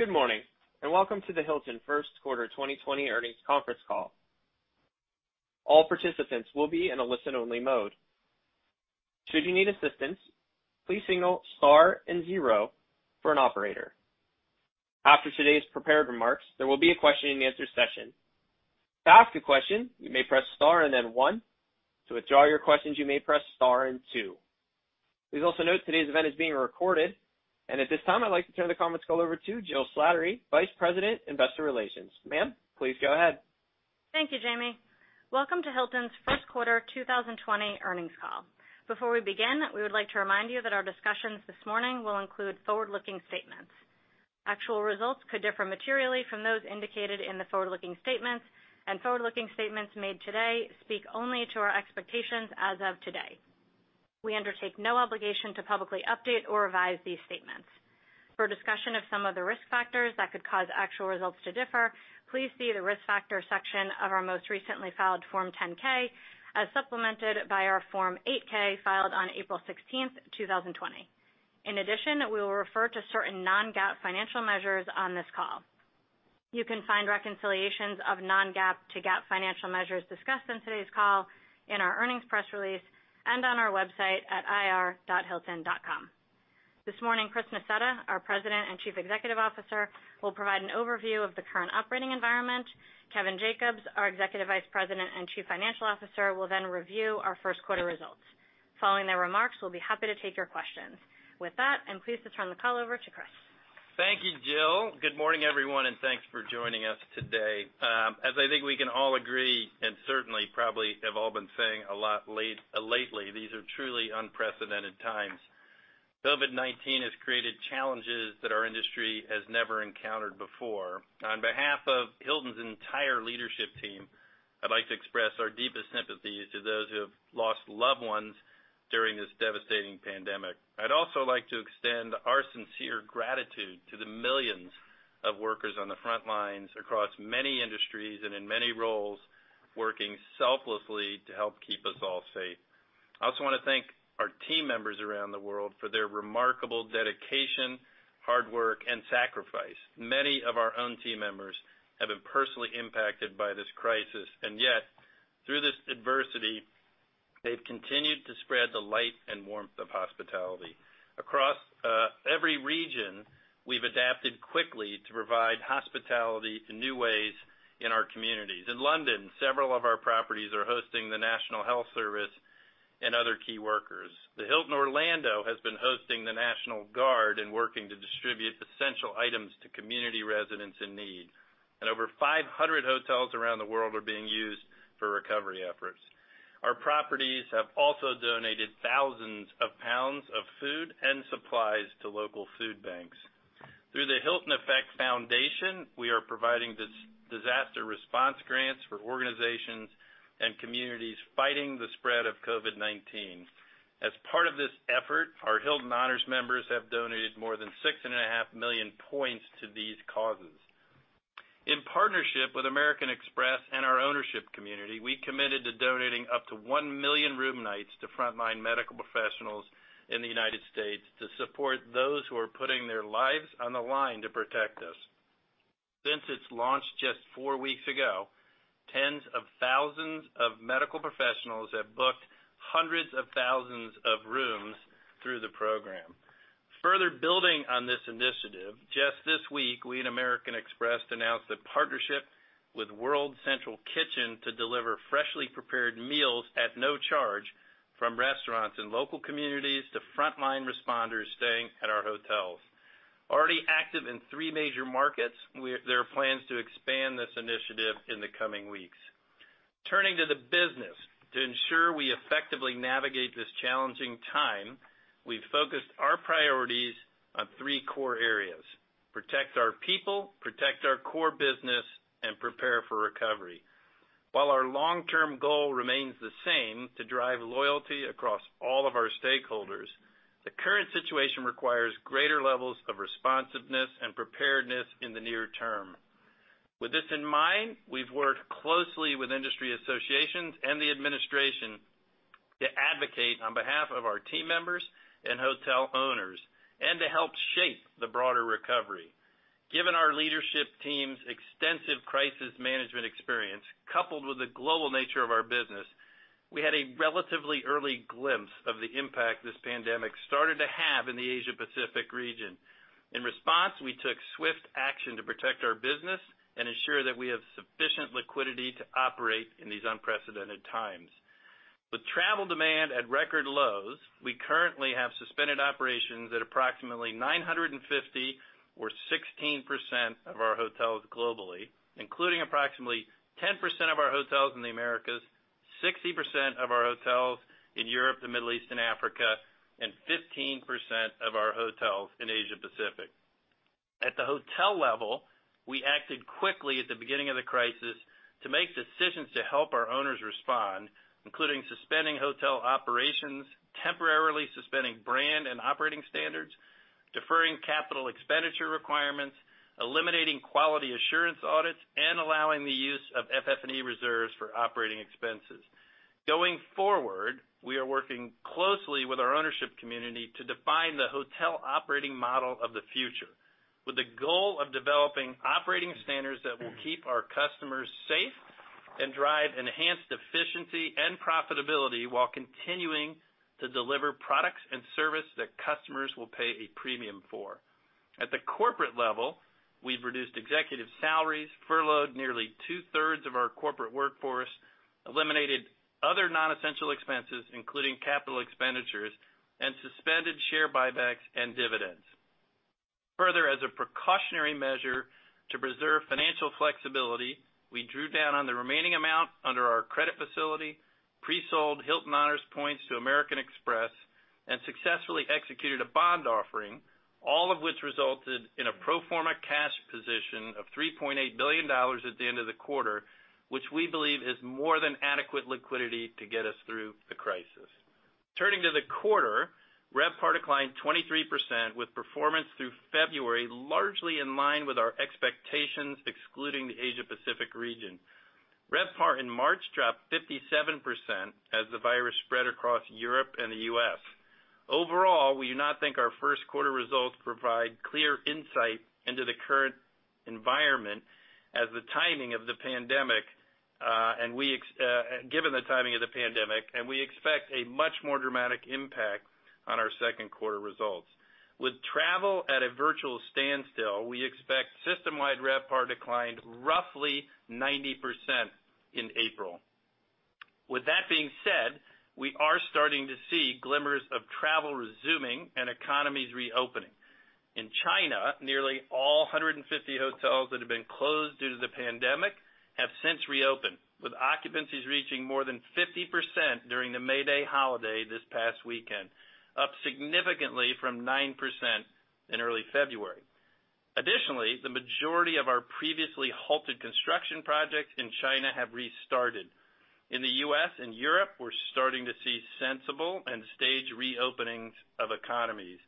Good morning, and welcome to the Hilton first quarter 2020 earnings conference call. All participants will be in a listen-only mode. Should you need assistance, please signal star and zero for an operator. After today's prepared remarks, there will be a question-and-answer session. To ask a question, you may press star and then one. To withdraw your questions, you may press star and two. Please also note today's event is being recorded, and at this time, I'd like to turn the conference call over to Jill Slattery, Vice President, Investor Relations. Ma'am, please go ahead. Thank you, Jamie. Welcome to Hilton's first quarter 2020 earnings call. Before we begin, we would like to remind you that our discussions this morning will include forward-looking statements. Actual results could differ materially from those indicated in the forward-looking statements, and forward-looking statements made today speak only to our expectations as of today. We undertake no obligation to publicly update or revise these statements. For discussion of some of the risk factors that could cause actual results to differ, please see the Risk Factors section of our most recently filed Form 10-K, as supplemented by our Form 8-K filed on April 16, 2020. In addition, we will refer to certain non-GAAP financial measures on this call. You can find reconciliations of non-GAAP to GAAP financial measures discussed on today's call in our earnings press release and on our website at ir.hilton.com. This morning, Chris Nassetta, our President and Chief Executive Officer, will provide an overview of the current operating environment. Kevin Jacobs, our Executive Vice President and Chief Financial Officer, will then review our first quarter results. Following their remarks, we'll be happy to take your questions. With that, I'm pleased to turn the call over to Chris. Thank you, Jill. Good morning, everyone, and thanks for joining us today. As I think we can all agree, certainly probably have all been saying a lot lately, these are truly unprecedented times. COVID-19 has created challenges that our industry has never encountered before. On behalf of Hilton's entire leadership team, I'd like to express our deepest sympathies to those who have lost loved ones during this devastating pandemic. I'd also like to extend our sincere gratitude to the millions of workers on the front lines across many industries and in many roles, working selflessly to help keep us all safe. I also want to thank our team members around the world for their remarkable dedication, hard work, and sacrifice. Yet, through this adversity, they've continued to spread the light and warmth of hospitality. Across every region, we've adapted quickly to provide hospitality in new ways in our communities. In London, several of our properties are hosting the National Health Service and other key workers. The Hilton Orlando has been hosting the National Guard and working to distribute essential items to community residents in need. Over 500 hotels around the world are being used for recovery efforts. Our properties have also donated thousands of pounds of food and supplies to local food banks. Through the Hilton Effect Foundation, we are providing disaster response grants for organizations and communities fighting the spread of COVID-19. As part of this effort, our Hilton Honors members have donated more than 6.5 million points to these causes. In partnership with American Express and our ownership community, we committed to donating up to 1 million room nights to frontline medical professionals in the United States to support those who are putting their lives on the line to protect us. Since its launch just four weeks ago, tens of thousands of medical professionals have booked hundreds of thousands of rooms through the program. Further building on this initiative, just this week, we and American Express announced a partnership with World Central Kitchen to deliver freshly prepared meals at no charge from restaurants and local communities to frontline responders staying at our hotels. Already active in three major markets, there are plans to expand this initiative in the coming weeks. Turning to the business, to ensure we effectively navigate this challenging time, we've focused our priorities on three core areas: protect our people, protect our core business, and prepare for recovery. While our long-term goal remains the same, to drive loyalty across all of our stakeholders, the current situation requires greater levels of responsiveness and preparedness in the near term. With this in mind, we've worked closely with industry associations and the Administration to advocate on behalf of our team members and hotel owners and to help shape the broader recovery. Given our leadership team's extensive crisis management experience, coupled with the global nature of our business, we had a relatively early glimpse of the impact this pandemic started to have in the Asia-Pacific region. In response, we took swift action to protect our business and ensure that we have sufficient liquidity to operate in these unprecedented times. With travel demand at record lows, we currently have suspended operations at approximately 950 or 16% of our hotels globally, including approximately 10% of our hotels in the Americas, 60% of our hotels in Europe, the Middle East, and Africa, and 15% of our hotels in Asia-Pacific. At the hotel level, we acted quickly at the beginning of the crisis to make decisions to help our owners respond, including suspending hotel operations, temporarily suspending brand and operating standards, deferring capital expenditure requirements, eliminating quality assurance audits, and allowing the use of FF&E reserves for operating expenses. Going forward, we are working closely with our ownership community to define the hotel operating model of the future, with the goal of developing operating standards that will keep our customers safe and drive enhanced efficiency and profitability while continuing to deliver products and service that customers will pay a premium for. At the corporate level, we've reduced executive salaries, furloughed nearly two-thirds of our corporate workforce, eliminated other non-essential expenses, including capital expenditures, and suspended share buybacks and dividends. As a precautionary measure to preserve financial flexibility, we drew down on the remaining amount under our credit facility, pre-sold Hilton Honors points to American Express, and successfully executed a bond offering, all of which resulted in a pro forma cash position of $3.8 billion at the end of the quarter, which we believe is more than adequate liquidity to get us through the crisis. Turning to the quarter, RevPAR declined 23%, with performance through February largely in line with our expectations, excluding the Asia Pacific region. RevPAR in March dropped 57% as the virus spread across Europe and the U.S. Overall, we do not think our first quarter results provide clear insight into the current environment, given the timing of the pandemic, and we expect a much more dramatic impact on our second quarter results. With travel at a virtual standstill, we expect system-wide RevPAR decline roughly 90% in April. We are starting to see glimmers of travel resuming and economies reopening. In China, nearly all 150 hotels that have been closed due to the pandemic have since reopened, with occupancies reaching more than 50% during the May Day holiday this past weekend, up significantly from 9% in early February. The majority of our previously halted construction projects in China have restarted. In the U.S. and Europe, we're starting to see sensible and staged reopenings of economies.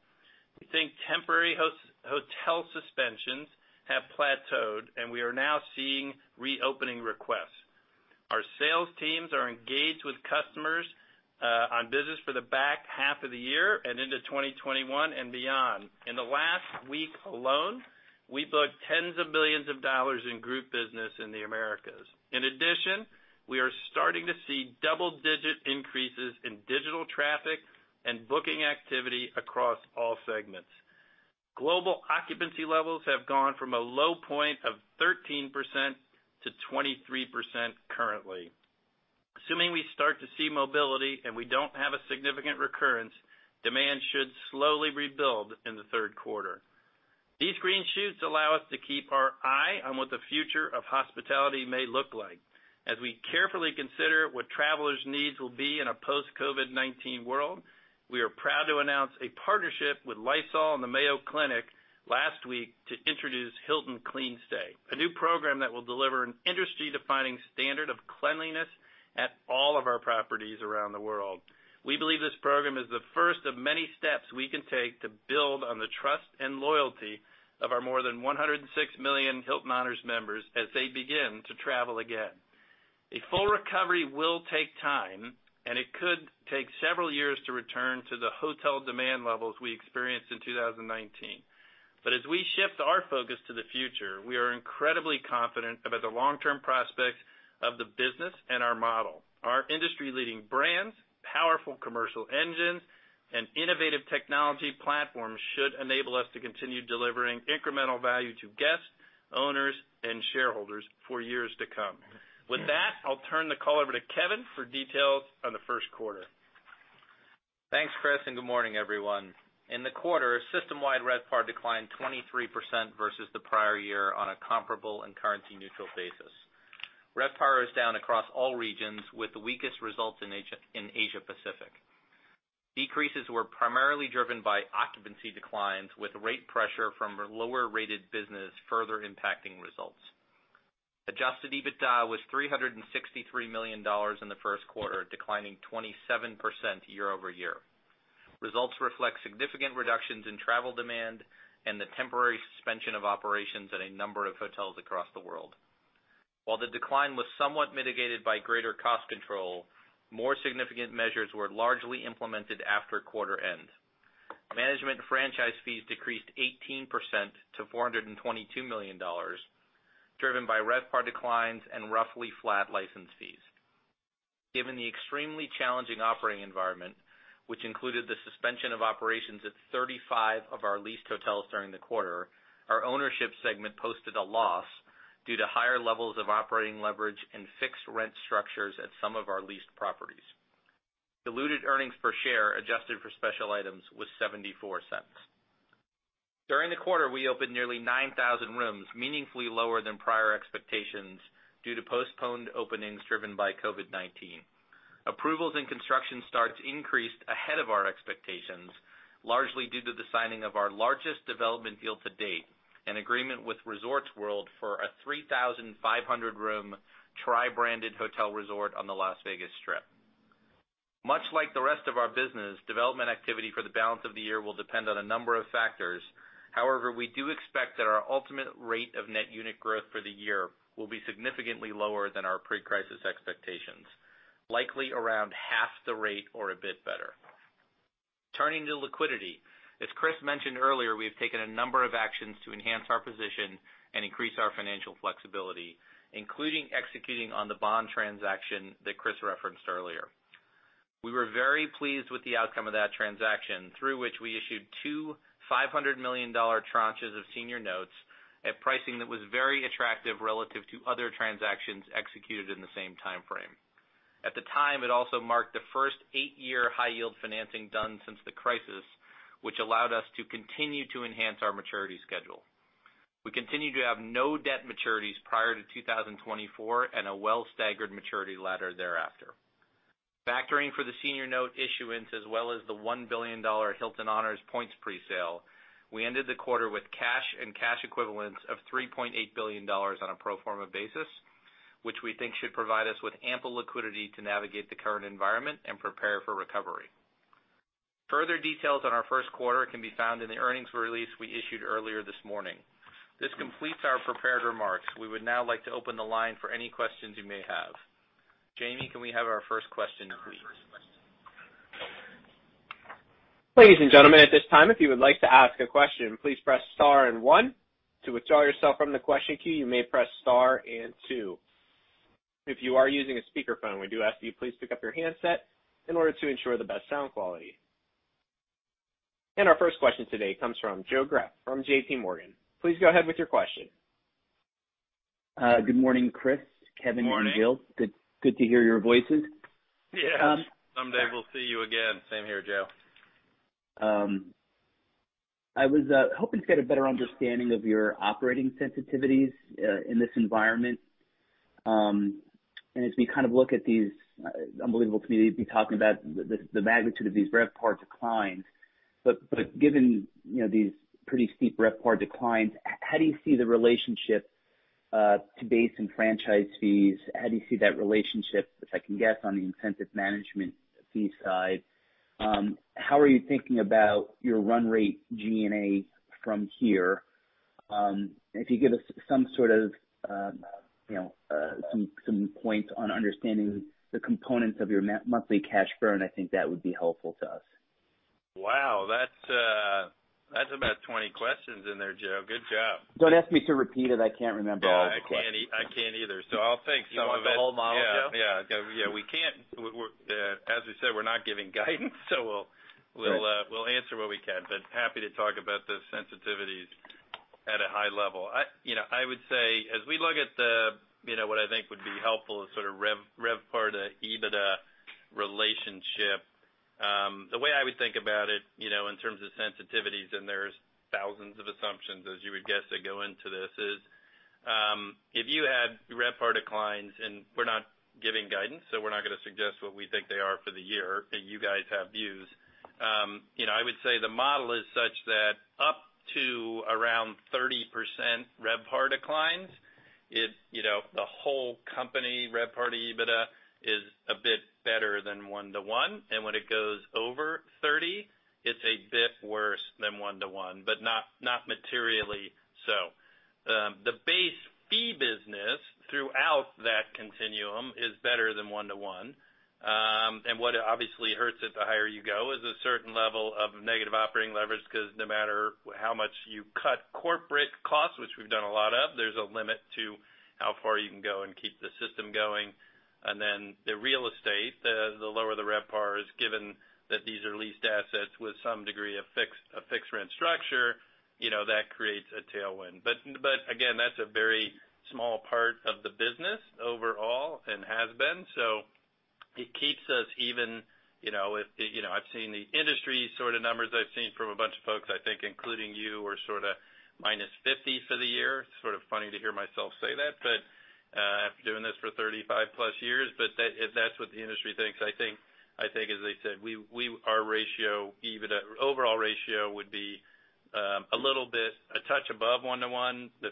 We think temporary hotel suspensions have plateaued, and we are now seeing reopening requests. Our sales teams are engaged with customers on business for the back half of the year and into 2021 and beyond. In the last week alone, we booked tens of billions of dollars in group business in the Americas. We are starting to see double-digit increases in digital traffic and booking activity across all segments. Global occupancy levels have gone from a low point of 13% to 23% currently. Assuming we start to see mobility and we don't have a significant recurrence, demand should slowly rebuild in the third quarter. These green shoots allow us to keep our eye on what the future of hospitality may look like. As we carefully consider what travelers' needs will be in a post-COVID-19 world, we are proud to announce a partnership with Lysol and the Mayo Clinic last week to introduce Hilton CleanStay, a new program that will deliver an industry-defining standard of cleanliness at all of our properties around the world. We believe this program is the first of many steps we can take to build on the trust and loyalty of our more than 106 million Hilton Honors members as they begin to travel again. A full recovery will take time. It could take several years to return to the hotel demand levels we experienced in 2019. As we shift our focus to the future, we are incredibly confident about the long-term prospects of the business and our model. Our industry-leading brands, powerful commercial engines, and innovative technology platforms should enable us to continue delivering incremental value to guests, owners, and shareholders for years to come. With that, I'll turn the call over to Kevin for details on the first quarter. Thanks, Chris. Good morning, everyone. In the quarter, system-wide RevPAR declined 23% versus the prior year on a comparable and currency-neutral basis. RevPAR is down across all regions, with the weakest results in Asia Pacific. Decreases were primarily driven by occupancy declines, with rate pressure from lower-rated business further impacting results. Adjusted EBITDA was $363 million in the first quarter, declining 27% year-over-year. Results reflect significant reductions in travel demand and the temporary suspension of operations at a number of hotels across the world. While the decline was somewhat mitigated by greater cost control, more significant measures were largely implemented after quarter end. Management franchise fees decreased 18% to $422 million, driven by RevPAR declines and roughly flat license fees. Given the extremely challenging operating environment, which included the suspension of operations at 35 of our leased hotels during the quarter, our ownership segment posted a loss due to higher levels of operating leverage and fixed rent structures at some of our leased properties. Diluted earnings per share adjusted for special items was $0.74. During the quarter, we opened nearly 9,000 rooms, meaningfully lower than prior expectations due to postponed openings driven by COVID-19. Approvals and construction start increased ahead of our expectations, largely due to the signing of our largest development deal to date, an agreement with Resorts World for a 3,500-room tri-branded hotel resort on the Las Vegas Strip. Much like the rest of our business, development activity for the balance of the year will depend on a number of factors. However, we do expect that our ultimate rate of net unit growth for the year will be significantly lower than our pre-crisis expectations, likely around half the rate or a bit better. Turning to liquidity. As Chris mentioned earlier, we have taken a number of actions to enhance our position and increase our financial flexibility, including executing on the bond transaction that Chris referenced earlier. We were very pleased with the outcome of that transaction, through which we issued two $500 million tranches of senior notes at pricing that was very attractive relative to other transactions executed in the same timeframe. At the time, it also marked the first eight-year high yield financing done since the crisis, which allowed us to continue to enhance our maturity schedule. We continue to have no debt maturities prior to 2024 and a well staggered maturity ladder thereafter. Factoring for the senior note issuance as well as the $1 billion Hilton Honors points pre-sale, we ended the quarter with cash and cash equivalents of $3.8 billion on a pro forma basis, which we think should provide us with ample liquidity to navigate the current environment and prepare for recovery. Further details on our first quarter can be found in the earnings release we issued earlier this morning. This completes our prepared remarks. We would now like to open the line for any questions you may have. Jamie, can we have our first question, please? Ladies and gentlemen, at this time, if you would like to ask a question, please press star and one. To withdraw yourself from the question queue, you may press star and two. If you are using a speakerphone, we do ask that you please pick up your handset in order to ensure the best sound quality. Our first question today comes from Joe Greff from J.P. Morgan. Please go ahead with your question. Good morning, Chris. Morning. Kevin and Jill. Good to hear your voices. Yeah. Someday we'll see you again. Same here, Joe. I was hoping to get a better understanding of your operating sensitivities in this environment. As we look at these unbelievable communities, you talking about the magnitude of these RevPAR declines. Given these pretty steep RevPAR declines, how do you see the relationship to base and franchise fees? How do you see that relationship, which I can guess on the incentive management fee side? How are you thinking about your run rate G&A from here? If you give us some points on understanding the components of your monthly cash burn, I think that would be helpful to us. Wow, that's about 20 questions in there, Joe. Good job. Don't ask me to repeat it. I can't remember all of the questions. I can't either, so I'll take some of it. You want the whole model, Joe? Yeah. As we said, we're not giving guidance, so we'll answer what we can. Happy to talk about the sensitivities at a high level. I would say, as we look at what I think would be helpful is sort of RevPAR to EBITDA relationship. The way I would think about it, in terms of sensitivities, and there's thousands of assumptions, as you would guess, that go into this is, if you had RevPAR declines, and we're not giving guidance, so we're not going to suggest what we think they are for the year, and you guys have views. I would say the model is such that up to around 30% RevPAR declines, the whole company RevPAR to EBITDA is a bit better than one to one, and when it goes over 30, it's a bit worse than one to one, but not materially so. The base fee business throughout that continuum is better than one to one. What obviously hurts it the higher you go is a certain level of negative operating leverage because no matter how much you cut corporate costs, which we've done a lot of, there's a limit to how far you can go and keep the system going. The real estate, the lower the RevPAR is given that these are leased assets with some degree of fixed rent structure, that creates a tailwind. Again, that's a very small part of the business overall and has been. It keeps us even. I've seen the industry sort of numbers, I've seen from a bunch of folks, I think including you, are sort of -50% for the year. Sort of funny to hear myself say that, but after doing this for 35+ years, but that's what the industry thinks. I think, as I said, our overall ratio would be a touch above one to one. The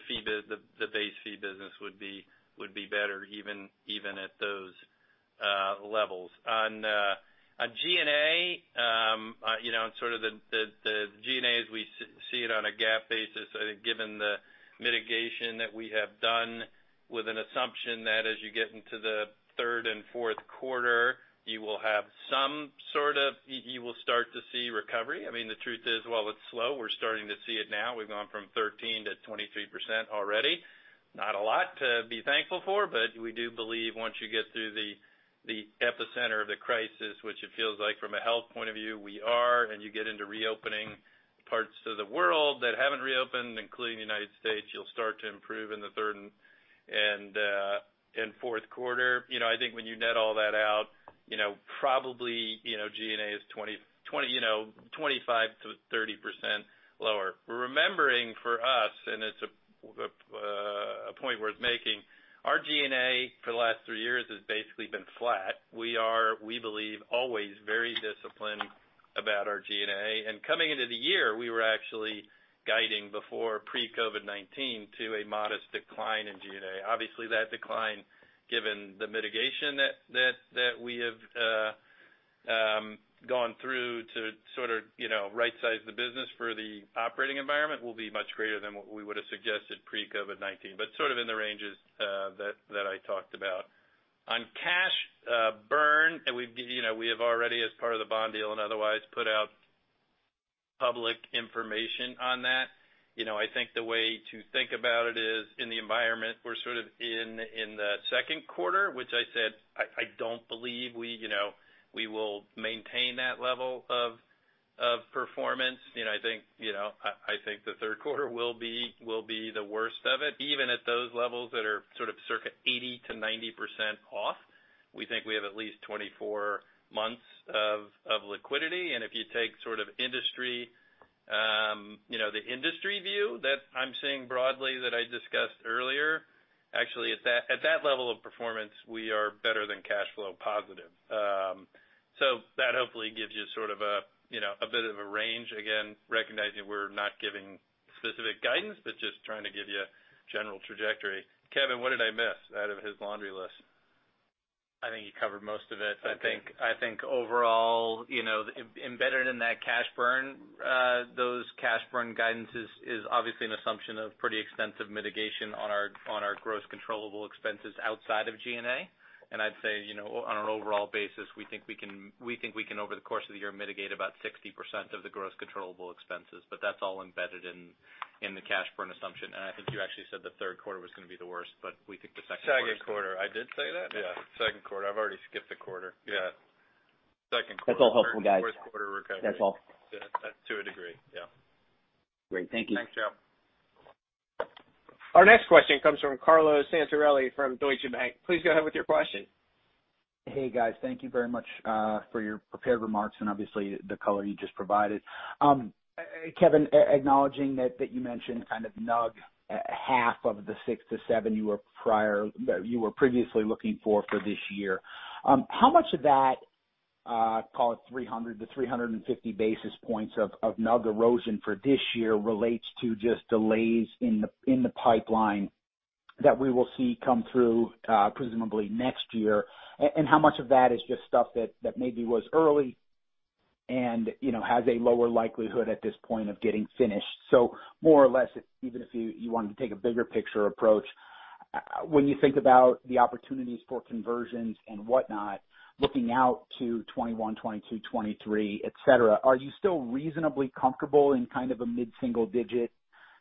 base fee business would be better even at those levels. On G&A, as we see it on a GAAP basis, I think given the mitigation that we have done with an assumption that as you get into the third and fourth quarter, you will start to see recovery. The truth is, while it's slow, we're starting to see it now. We've gone from 13% to 23% already. Not a lot to be thankful for, but we do believe once you get through the epicenter of the crisis, which it feels like from a health point of view, we are, and you get into reopening parts of the world that haven't reopened, including the United States, you'll start to improve in the third and fourth quarter. I think when you net all that out, probably G&A is 25%-30% lower. Remembering for us, and it's a point worth making, our G&A for the last three years has basically been flat. We believe always very disciplined About our G&A. Coming into the year, we were actually guiding before pre-COVID-19 to a modest decline in G&A. Obviously, that decline, given the mitigation that we have gone through to sort of right-size the business for the operating environment, will be much greater than what we would've suggested pre-COVID-19, but sort of in the ranges that I talked about. On cash burn, we have already, as part of the bond deal and otherwise, put out public information on that. I think the way to think about it is in the environment we're sort of in the second quarter, which I said, I don't believe we will maintain that level of performance. I think the third quarter will be the worst of it, even at those levels that are sort of circa 80%-90% off. We think we have at least 24 months of liquidity, and if you take sort of the industry view that I'm seeing broadly that I discussed earlier, actually at that level of performance, we are better than cash flow positive. That hopefully gives you sort of a bit of a range again, recognizing we're not giving specific guidance, but just trying to give you a general trajectory. Kevin, what did I miss out of his laundry list? I think you covered most of it. Okay. I think overall, embedded in that cash burn, those cash burn guidances is obviously an assumption of pretty extensive mitigation on our gross controllable expenses outside of G&A. I'd say, on an overall basis, we think we can over the course of the year mitigate about 60% of the gross controllable expenses. That's all embedded in the cash burn assumption, and I think you actually said the third quarter was going to be the worst, but we think the second quarter. Second quarter. I did say that? Yeah. Second quarter. I've already skipped a quarter. Yeah. Second quarter. That's all helpful, guys. Fourth quarter recovery. That's all. To a degree, yeah. Great. Thank you. Thanks, Joe. Our next question comes from Carlo Santarelli from Deutsche Bank. Please go ahead with your question. Hey, guys. Thank you very much for your prepared remarks and obviously the color you just provided. Kevin, acknowledging that you mentioned kind of NUG, half of the six to seven you were previously looking for this year. How much of that, call it 300-350 basis points of NUG erosion for this year relates to just delays in the pipeline that we will see come through presumably next year? How much of that is just stuff that maybe was early and has a lower likelihood at this point of getting finished? More or less, even if you wanted to take a bigger picture approach, when you think about the opportunities for conversions and whatnot, looking out to 2021, 2022, 2023, et cetera, are you still reasonably comfortable in kind of a mid-single digit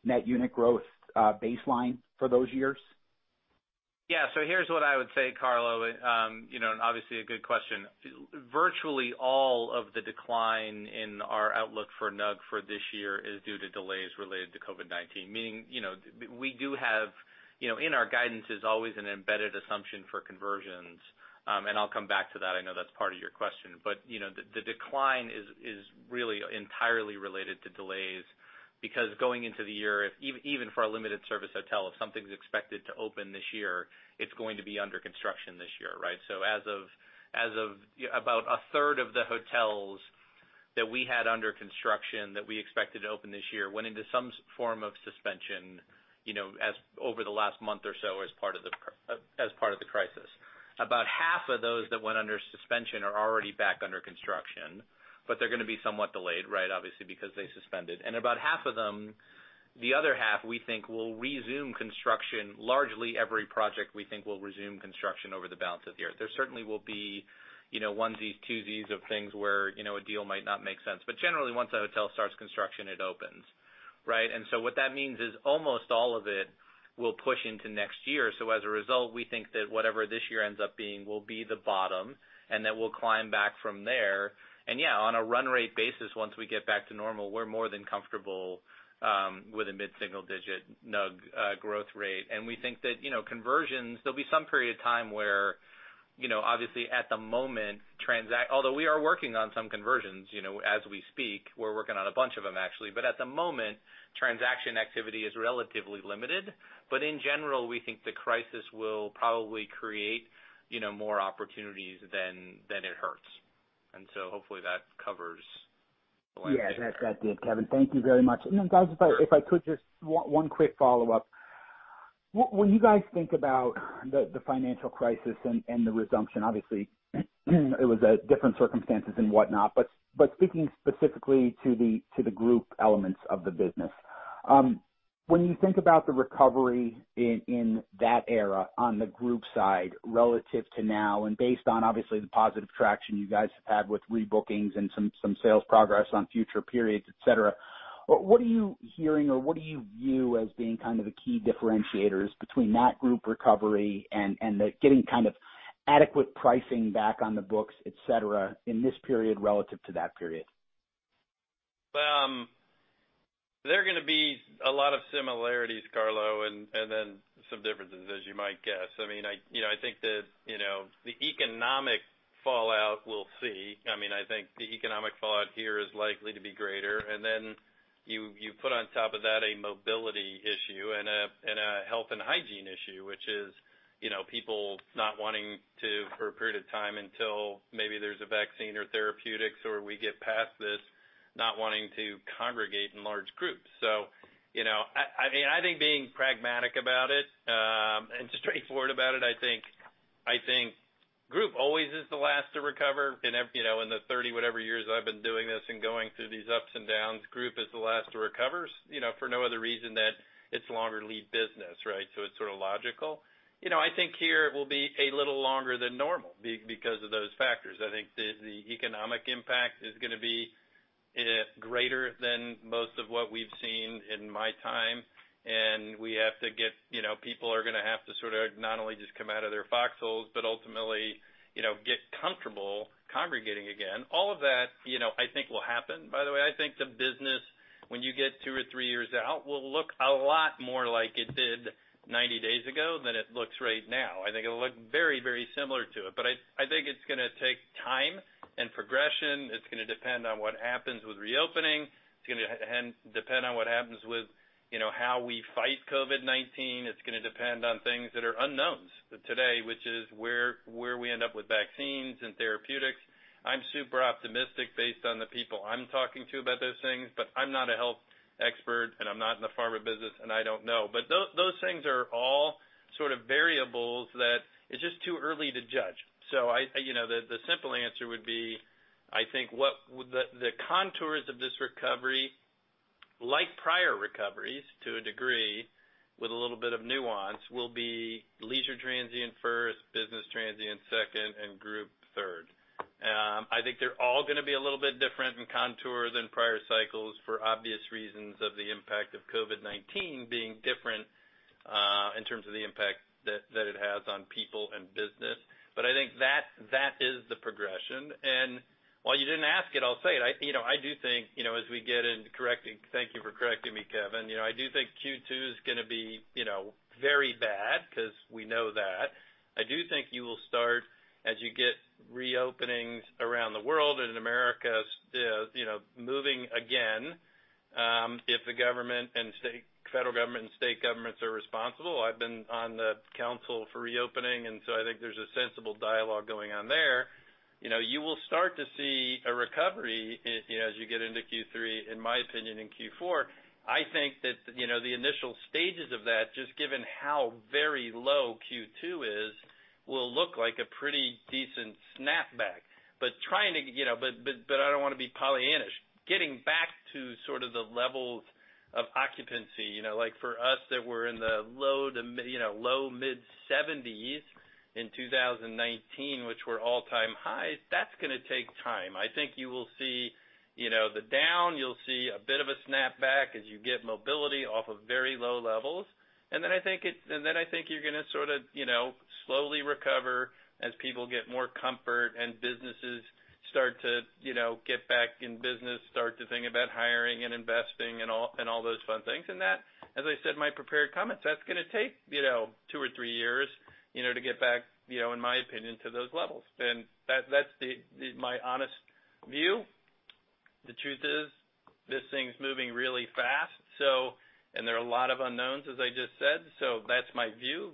net unit growth baseline for those years? Yeah. Here's what I would say, Carlo. Obviously, a good question. Virtually all of the decline in our outlook for NUG for this year is due to delays related to COVID-19. Meaning, in our guidance is always an embedded assumption for conversions. I'll come back to that. I know that's part of your question, but the decline is really entirely related to delays because going into the year, even for our limited-service hotel, if something's expected to open this year, it's going to be under construction this year, right? As of about a third of the hotels that we had under construction that we expected to open this year went into some form of suspension over the last month or so as part of the crisis. About half of those that went under suspension are already back under construction, they're going to be somewhat delayed, obviously, because they suspended. About half of them, the other half we think will resume construction. Largely every project we think will resume construction over the balance of the year. There certainly will be onesies, twosies of things where a deal might not make sense. Generally, once a hotel starts construction, it opens, right? What that means is almost all of it will push into next year. As a result, we think that whatever this year ends up being will be the bottom, and then we'll climb back from there. Yeah, on a run rate basis, once we get back to normal, we're more than comfortable with a mid-single digit NUG growth rate. We think that conversions, there'll be some period of time where obviously at the moment, although we are working on some conversions as we speak, we're working on a bunch of them actually, but at the moment, transaction activity is relatively limited. In general, we think the crisis will probably create more opportunities than it hurts. Hopefully that covers the line. Yeah, that did, Kevin. Thank you very much. Guys, if I could just one quick follow-up. When you guys think about the financial crisis and the resumption, obviously it was at different circumstances and whatnot, speaking specifically to the group elements of the business. When you think about the recovery in that era on the group side relative to now, based on obviously the positive traction you guys have had with rebookings and some sales progress on future periods, et cetera, what are you hearing or what do you view as being kind of the key differentiators between that group recovery and the getting kind of adequate pricing back on the books, et cetera, in this period relative to that period? There are going to be a lot of similarities, Carlo, and then some differences, as you might guess. I think the economic fallout we'll see. I think the economic fallout here is likely to be greater, and then you put on top of that a mobility issue and hygiene issue, which is people not wanting to, for a period of time until maybe there's a vaccine or therapeutics or we get past this, not wanting to congregate in large groups. I think being pragmatic about it, and straightforward about it, I think group always is the last to recover. In the 30 whatever years I've been doing this and going through these ups and downs, group is the last to recover, for no other reason than it's longer lead business, right? It's sort of logical. I think here it will be a little longer than normal because of those factors. I think the economic impact is going to be greater than most of what we've seen in my time, and people are going to have to sort of not only just come out of their foxholes, but ultimately get comfortable congregating again. All of that, I think will happen, by the way. I think the business, when you get two or three years out, will look a lot more like it did 90 days ago than it looks right now. I think it'll look very, very similar to it. I think it's going to take time and progression. It's going to depend on what happens with reopening. It's going to depend on what happens with how we fight COVID-19. It's going to depend on things that are unknowns today, which is where we end up with vaccines and therapeutics. I'm super optimistic based on the people I'm talking to about those things, but I'm not a health expert, and I'm not in the pharma business, and I don't know. Those things are all sort of variables that it's just too early to judge. The simple answer would be, I think the contours of this recovery, like prior recoveries to a degree, with a little bit of nuance, will be leisure transient first, business transient second, and group third. I think they're all going to be a little bit different in contour than prior cycles for obvious reasons of the impact of COVID-19 being different, in terms of the impact that it has on people and business. I think that is the progression, and while you didn't ask it, I'll say it. I do think as we get into correcting Thank you for correcting me, Kevin. I do think Q2 is going to be very bad because we know that. I do think you will start as you get reopenings around the world and America moving again, if the federal government and state governments are responsible. I've been on the council for reopening, I think there's a sensible dialogue going on there. You will start to see a recovery, as you get into Q3, in my opinion, in Q4. I think that the initial stages of that, just given how very low Q2 is, will look like a pretty decent snapback. I don't want to be Pollyanna-ish. Getting back to sort of the levels of occupancy, like for us that were in the low mid-70s in 2019, which were all-time highs, that's going to take time. I think you'll see a bit of a snapback as you get mobility off of very low levels, then I think you're going to sort of slowly recover as people get more comfort and businesses start to get back in business, start to think about hiring and investing and all those fun things. That, as I said in my prepared comments, that's going to take two or three years to get back, in my opinion, to those levels. That's my honest view. The truth is, this thing's moving really fast. There are a lot of unknowns, as I just said, so that's my view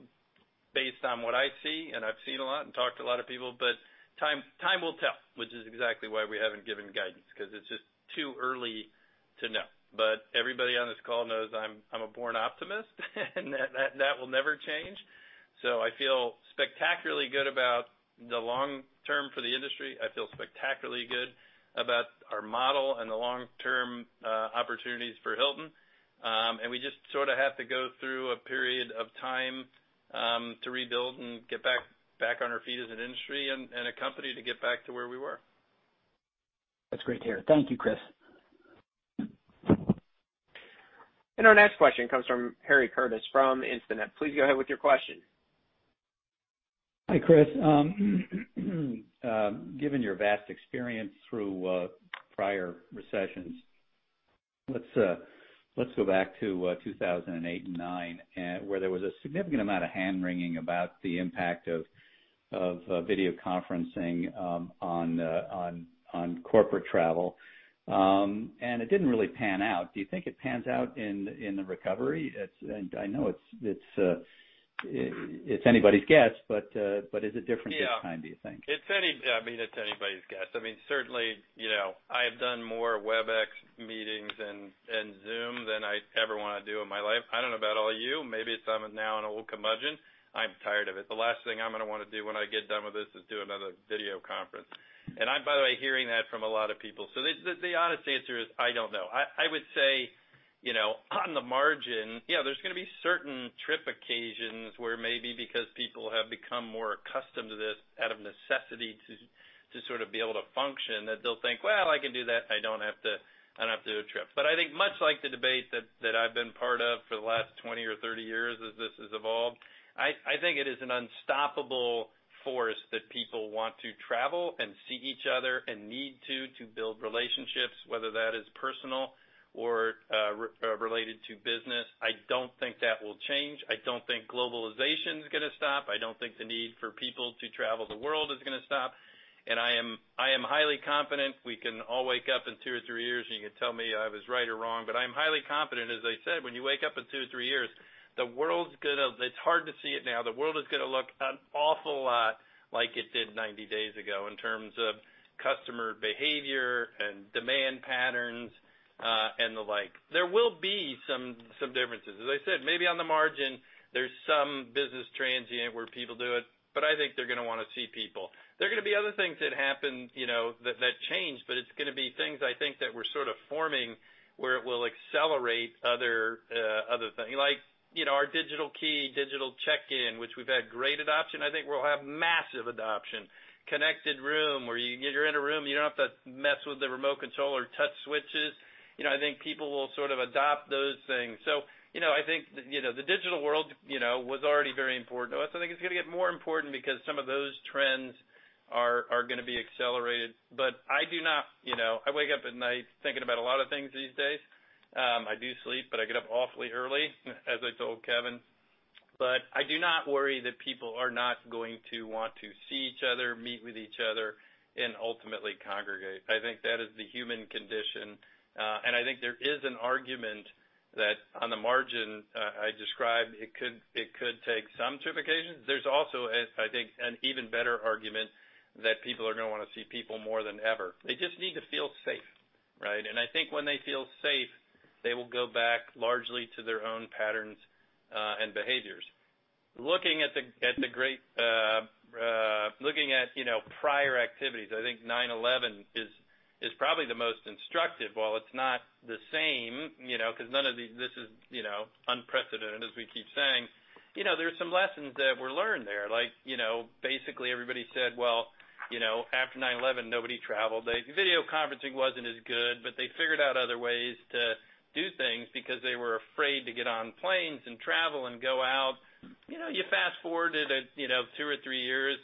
based on what I see, and I've seen a lot and talked to a lot of people, but time will tell, which is exactly why we haven't given guidance, because it's just too early to know. Everybody on this call knows I'm a born optimist, and that will never change. I feel spectacularly good about the long term for the industry. I feel spectacularly good about our model and the long-term opportunities for Hilton. We just sort of have to go through a period of time to rebuild and get back on our feet as an industry and a company to get back to where we were. That's great to hear. Thank you, Chris. Our next question comes from Harry Curtis from Instinet. Please go ahead with your question. Hi, Chris. Given your vast experience through prior recessions, let's go back to 2008 and 2009, where there was a significant amount of hand-wringing about the impact of video conferencing on corporate travel. It didn't really pan out. Do you think it pans out in the recovery? I know it's anybody's guess, but is it different this time, do you think? Yeah. It's anybody's guess. Certainly, I have done more Webex meetings and Zoom than I ever want to do in my life. I don't know about all of you. Maybe I'm now an old curmudgeon. I'm tired of it. The last thing I'm going to want to do when I get done with this is do another video conference. I'm, by the way, hearing that from a lot of people. The honest answer is I don't know. I would say, on the margin, yeah, there's going to be certain trip occasions where maybe because people have become more accustomed to this out of necessity to sort of be able to function. That they'll think, "Well, I can do that. I don't have to do a trip. I think much like the debate that I've been part of for the last 20 or 30 years as this has evolved, I think it is an unstoppable force that people want to travel and see each other and need to build relationships, whether that is personal or related to business. I don't think that will change. I don't think For people to travel the world is going to stop. I am highly confident we can all wake up in two or three years, and you can tell me I was right or wrong, but I'm highly confident, as I said, when you wake up in two or three years, it's hard to see it now, the world is going to look an awful lot like it did 90 days ago in terms of customer behavior and demand patterns, and the like. There will be some differences. As I said, maybe on the margin, there's some business transient where people do it, but I think they're going to want to see people. There are going to be other things that happen that change, but it's going to be things, I think, that we're sort of forming where it will accelerate other things. Like our Digital Key, Digital Check-in, which we've had great adoption. I think we'll have massive adoption. Connected Room, where you're in a room, you don't have to mess with the remote control or touch switches. I think people will sort of adopt those things. I think the digital world was already very important to us. I think it's going to get more important because some of those trends are going to be accelerated. I wake up at night thinking about a lot of things these days. I do sleep, but I get up awfully early, as I told Kevin. I do not worry that people are not going to want to see each other, meet with each other, and ultimately congregate. I think that is the human condition, and I think there is an argument that on the margin I described, it could take some certifications. There's also, I think, an even better argument that people are going to want to see people more than ever. They just need to feel safe. Right? I think when they feel safe, they will go back largely to their own patterns and behaviors. Looking at prior activities, I think 9/11 is probably the most instructive. While it's not the same, because this is unprecedented as we keep saying, there's some lessons that were learned there. Like, basically everybody said, "Well, after 9/11, nobody traveled." Video conferencing wasn't as good, but they figured out other ways to do things because they were afraid to get on planes and travel and go out. You fast forward to two or three years.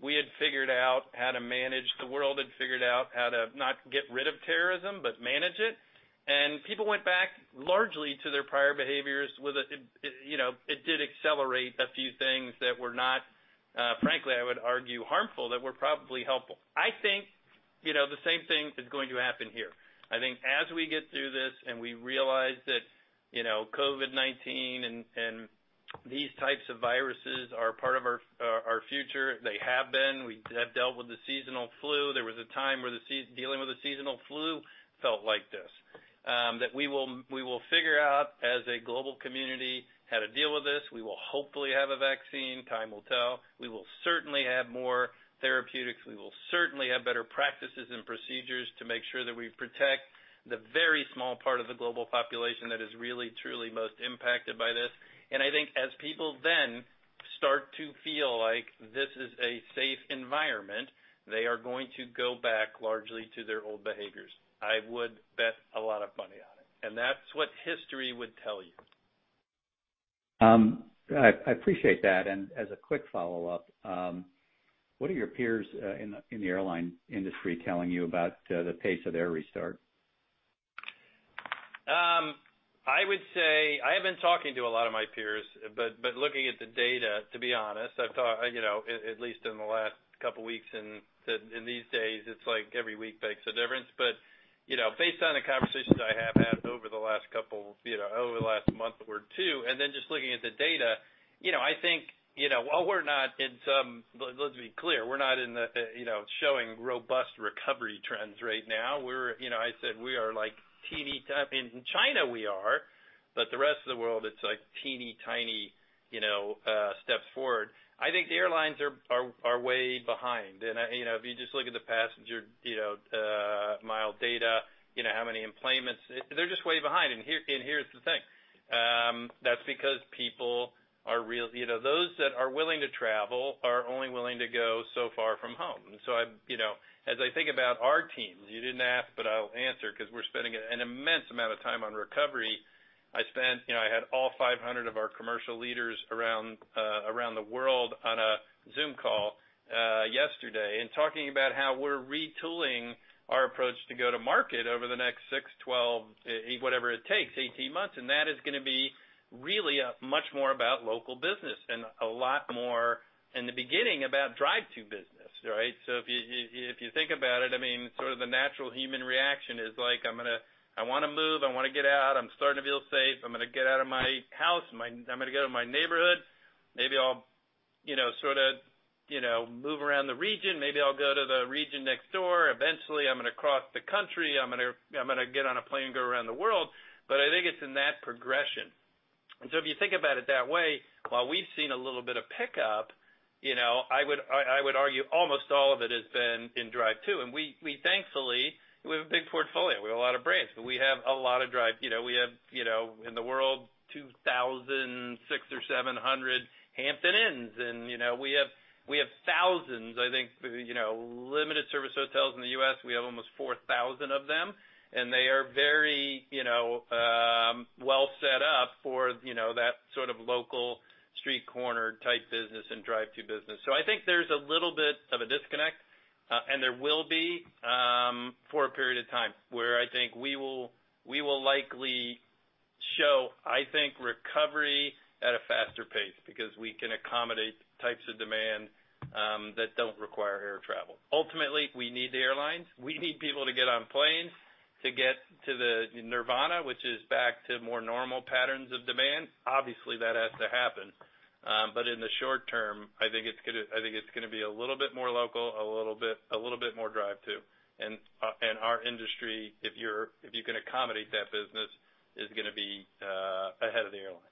We had figured out how to manage. The world had figured out how to not get rid of terrorism, but manage it. People went back largely to their prior behaviors. It did accelerate a few things that were not, frankly, I would argue, harmful, that were probably helpful. I think the same thing is going to happen here. I think as we get through this and we realize that COVID-19 and these types of viruses are a part of our future, they have been, we have dealt with the seasonal flu. There was a time where dealing with the seasonal flu felt like this. We will figure out as a global community how to deal with this. We will hopefully have a vaccine. Time will tell. We will certainly have more therapeutics. We will certainly have better practices and procedures to make sure that we protect the very small part of the global population that is really truly most impacted by this. I think as people then start to feel like this is a safe environment, they are going to go back largely to their old behaviors. I would bet a lot of money on it, and that's what history would tell you. I appreciate that, and as a quick follow-up, what are your peers in the airline industry telling you about the pace of their restart? I would say I have been talking to a lot of my peers, but looking at the data, to be honest, at least in the last couple of weeks, and these days it's like every week makes a difference. Based on the conversations I have had over the last month or two, and then just looking at the data, let's be clear, we're not showing robust recovery trends right now. I said we are like teeny. In China we are, but the rest of the world, it's like teeny tiny steps forward. I think the airlines are way behind. If you just look at the passenger mile data, how many enplanements, they're just way behind, and here's the thing. That's because those that are willing to travel are only willing to go so far from home. As I think about our teams, you didn't ask, but I'll answer because we're spending an immense amount of time on recovery. I had all 500 of our commercial leaders around the world on a Zoom call yesterday and talking about how we're retooling our approach to go to market over the next 6, 12, whatever it takes, 18 months, and that is going to be really much more about local business and a lot more in the beginning about drive-to business. Right. If you think about it, sort of the natural human reaction is like, "I want to move. I want to get out. I'm starting to feel safe. I'm going to get out of my house. I'm going to go to my neighborhood. Maybe I'll sort of move around the region. Maybe I'll go to the region next door. Eventually, I'm going to cross the country. I'm going to get on a plane and go around the world. I think it's in that progression. If you think about it that way, while we've seen a little bit of pickup, I would argue almost all of it has been in drive-to. Thankfully, we have a big portfolio. We have a lot of brands, but we have a lot of in the world 2,000, six or 700 Hampton Inns, and we have thousands, I think, limited-service hotels in the U.S. We have almost 4,000 of them, and they are very well set up for that sort of local street corner type business and drive-to business. I think there's a little bit of a disconnect, and there will be for a period of time where I think we will likely show, I think, recovery at a faster pace because we can accommodate types of demand that don't require air travel. Ultimately, we need the airlines. We need people to get on planes to get to the nirvana, which is back to more normal patterns of demand. Obviously, that has to happen. In the short term, I think it's going to be a little bit more local, a little bit more drive to. Our industry, if you can accommodate that business, is going to be ahead of the airlines.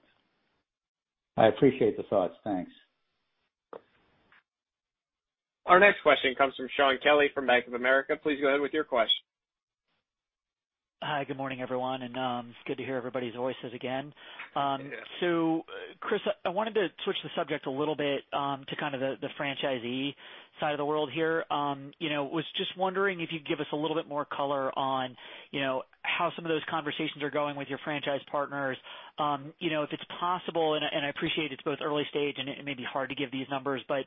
I appreciate the thoughts. Thanks. Our next question comes from Shaun Kelley from Bank of America. Please go ahead with your question. Hi, good morning, everyone, and it's good to hear everybody's voices again. Yeah. Chris, I wanted to switch the subject a little bit, to kind of the franchisee side of the world here. I was just wondering if you'd give us a little bit more color on how some of those conversations are going with your franchise partners. If it's possible, and I appreciate it's both early stage and it may be hard to give these numbers, but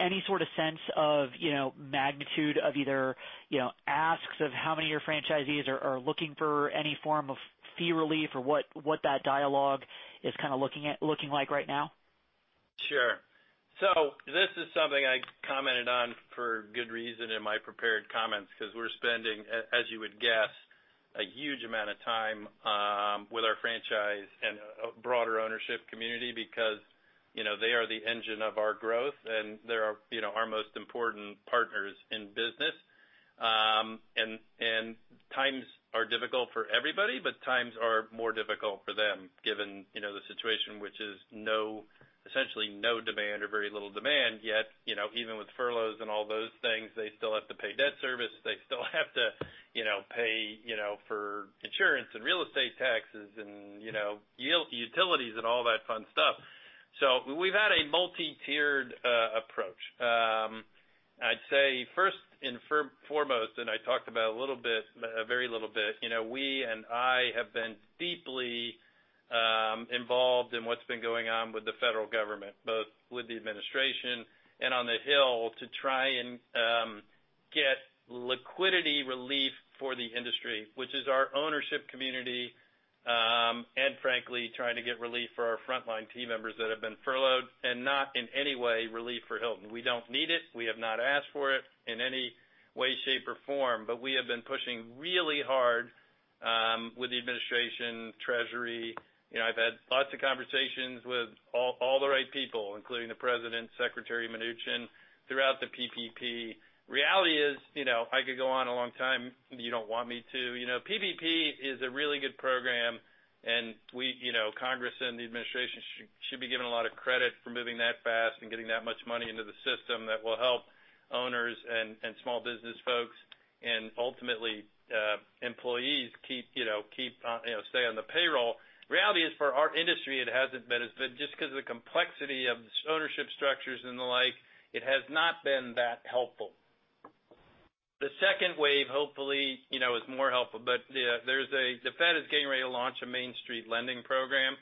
any sort of sense of magnitude of either asks of how many of your franchisees are looking for any form of fee relief or what that dialogue is kind of looking like right now? Sure. This is something I commented on for good reason in my prepared comments, because we're spending, as you would guess, a huge amount of time with our franchise and broader ownership community because they are the engine of our growth, and they're our most important partners in business. Times are difficult for everybody, but times are more difficult for them, given the situation, which is essentially no demand or very little demand, yet even with furloughs and all those things, they still have to pay debt service. They still have to pay for insurance and real estate taxes and utilities and all that fun stuff. We've had a multi-tiered approach. I'd say first and foremost, and I talked about a little bit, a very little bit, we and I have been deeply involved in what's been going on with the federal government, both with the administration and on the Hill, to try and get liquidity relief for the industry, which is our ownership community. Frankly, trying to get relief for our frontline team members that have been furloughed, and not in any way relief for Hilton. We don't need it. We have not asked for it in any way, shape, or form. We have been pushing really hard with the administration, Treasury. I've had lots of conversations with all the right people, including the President, Secretary Mnuchin, throughout the PPP. Reality is, I could go on a long time. You don't want me to. PPP is a really good program, and Congress and the administration should be given a lot of credit for moving that fast and getting that much money into the system that will help owners and small business folks, and ultimately, employees stay on the payroll. Reality is, for our industry, it hasn't been as good just because of the complexity of ownership structures and the like. It has not been that helpful. The second wave, hopefully, is more helpful, but the Fed is getting ready to launch a Main Street Lending Program,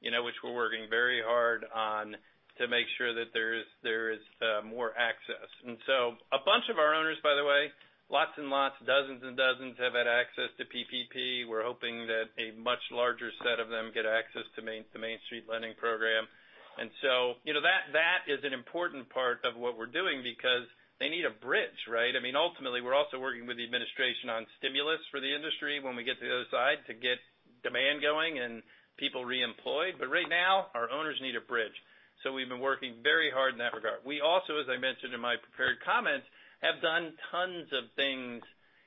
which we're working very hard on to make sure that there is more access. A bunch of our owners, by the way, lots and lots, dozens and dozens, have had access to PPP. We're hoping that a much larger set of them get access to Main Street Lending Program. That is an important part of what we're doing because they need a bridge, right? Ultimately, we're also working with the Administration on stimulus for the industry when we get to the other side to get demand going and people reemployed. Right now, our owners need a bridge. We've been working very hard in that regard. We also, as I mentioned in my prepared comments, have done tons of things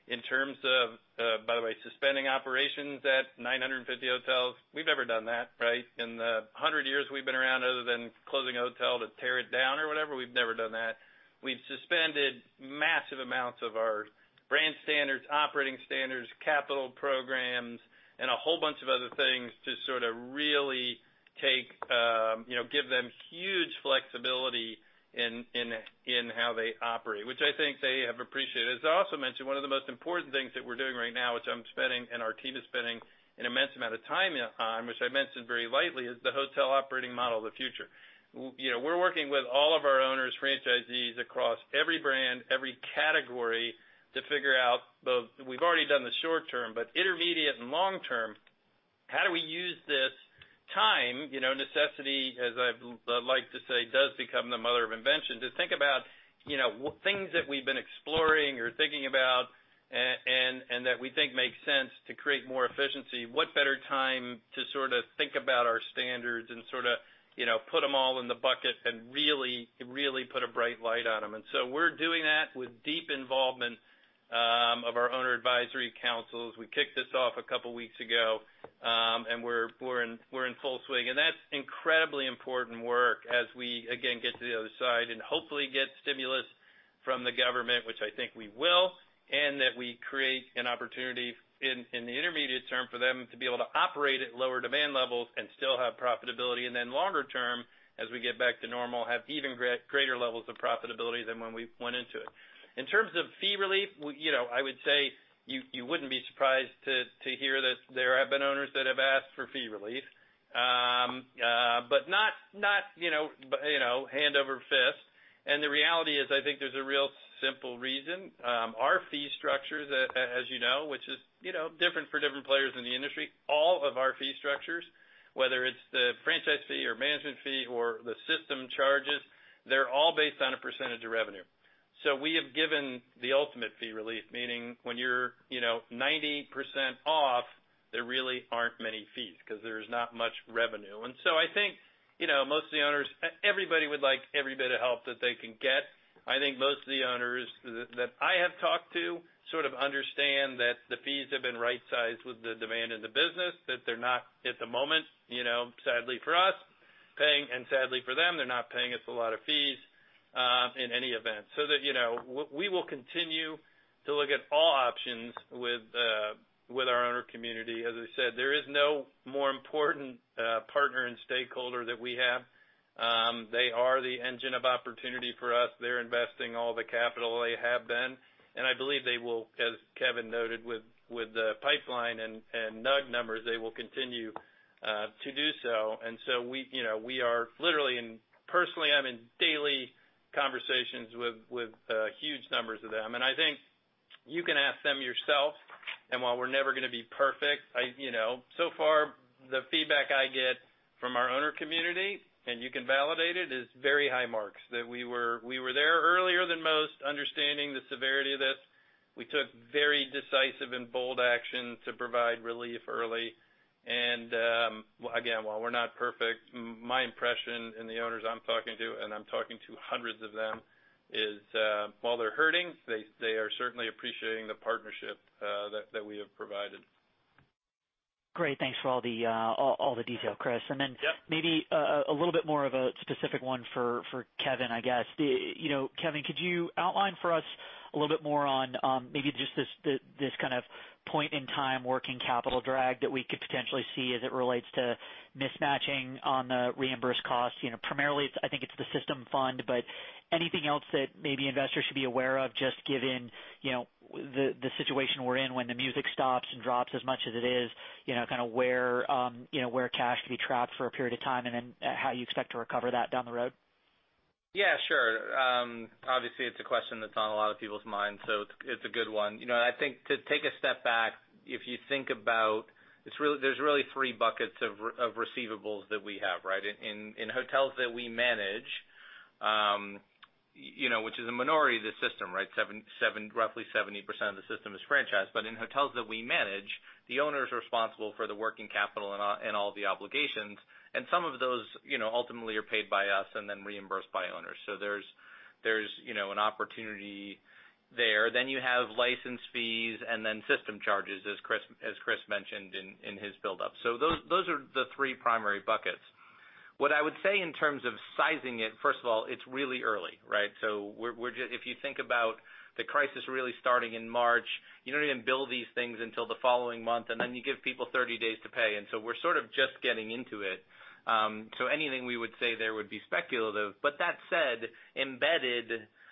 in terms of, by the way, suspending operations at 950 hotels. We've never done that, right? In the 100 years we've been around, other than closing a hotel to tear it down or whatever, we've never done that. We've suspended massive amounts of our brand standards, operating standards, capital programs, and a whole bunch of other things to sort of really give them huge flexibility in how they operate, which I think they have appreciated. As I also mentioned, one of the most important things that we're doing right now, which I'm spending, and our team is spending an immense amount of time on, which I mentioned very lightly, is the hotel operating model of the future. We're working with all of our owners, franchisees across every brand, every category to figure out, we've already done the short term, but intermediate and long term, how do we use this time? Necessity, as I like to say, does become the mother of invention. To think about things that we've been exploring or thinking about and that we think make sense to create more efficiency, what better time to sort of think about our standards and sort of put them all in the bucket and really put a bright light on them. We're doing that with deep involvement of our owner advisory councils. We kicked this off a couple of weeks ago, and we're in full swing. That's incredibly important work as we, again, get to the other side and hopefully get stimulus from the government, which I think we will, and that we create an opportunity in the intermediate term for them to be able to operate at lower demand levels and still have profitability, and then longer term, as we get back to normal, have even greater levels of profitability than when we went into it. In terms of fee relief, I would say you wouldn't be surprised to hear that there have been owners that have asked for fee relief. Not hand over fist. And the reality is, I think there's a real simple reason. Our fee structure, as you know, which is different for different players in the industry, all of our fee structures, whether it's the franchise fee or management fee or the system charges, they're all based on a percentage of revenue. We have given the ultimate fee relief, meaning when you're 90% off, there really aren't many fees because there's not much revenue. I think most of the owners, everybody would like every bit of help that they can get. I think most of the owners that I have talked to sort of understand that the fees have been right-sized with the demand in the business, that they're not at the moment, sadly for us paying and sadly for them, they're not paying us a lot of fees, in any event. We will continue to look at all options with our owner community. As I said, there is no more important partner and stakeholder that we have. They are the engine of opportunity for us. They're investing all the capital they have been, and I believe they will, as Kevin noted, with the pipeline and NUG numbers, they will continue to do so. We are literally and personally, I'm in daily conversations with huge numbers of them. I think you can ask them yourself, and while we're never going to be perfect, so far the feedback I get from our owner community, and you can validate it, is very high marks, that we were there earlier than most, understanding the severity of this. We took very decisive and bold action to provide relief early. Again, while we're not perfect, my impression and the owners I'm talking to, and I'm talking to hundreds of them, is while they're hurting, they are certainly appreciating the partnership that we have provided. Great. Thanks for all the detail, Chris. Yep. Then maybe a little bit more of a specific one for Kevin, I guess. Kevin, could you outline for us a little bit more on maybe just this kind of point in time working capital drag that we could potentially see as it relates to mismatching on the reimbursed costs? Primarily, I think it's the system fund, but anything else that maybe investors should be aware of just given the situation we're in when the music stops and drops as much as it is, kind of where cash could be trapped for a period of time, and then how you expect to recover that down the road? Obviously, it's a question that's on a lot of people's minds, so it's a good one. I think to take a step back, if you think about there's really three buckets of receivables that we have, right? In hotels that we manage, which is a minority of the system, right? Roughly 70% of the system is franchise. In hotels that we manage, the owner is responsible for the working capital and all of the obligations, and some of those ultimately are paid by us and then reimbursed by owners. There's an opportunity there. You have license fees and then system charges, as Chris mentioned in his buildup. Those are the three primary buckets. What I would say in terms of sizing it, first of all, it's really early, right? If you think about the crisis really starting in March, you don't even bill these things until the following month, and then you give people 30 days to pay. We're sort of just getting into it. Anything we would say there would be speculative. That said, embedded,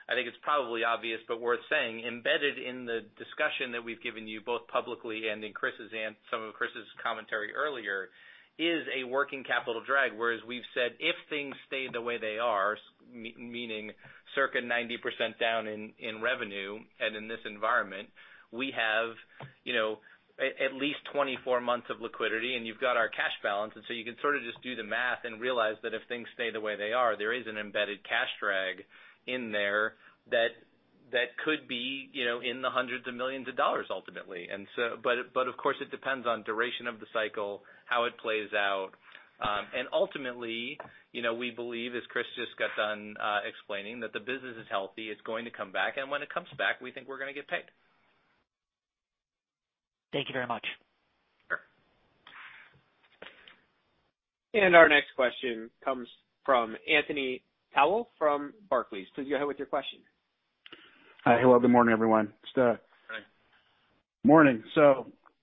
I think it's probably obvious but worth saying, embedded in the discussion that we've given you both publicly and in some of Chris' commentary earlier, is a working capital drag, whereas we've said if things stay the way they are, meaning circa 90% down in revenue and in this environment, we have at least 24 months of liquidity, and you've got our cash balance. You can sort of just do the math and realize that if things stay the way they are, there is an embedded cash drag in there that could be in the hundreds of millions of dollars ultimately. Of course, it depends on duration of the cycle, how it plays out. Ultimately, we believe, as Chris just got done explaining, that the business is healthy, it's going to come back, and when it comes back, we think we're going to get paid. Thank you very much. Sure. Our next question comes from Anthony Powell from Barclays. Please go ahead with your question. Hi. Hello, good morning, everyone. Hi. Morning.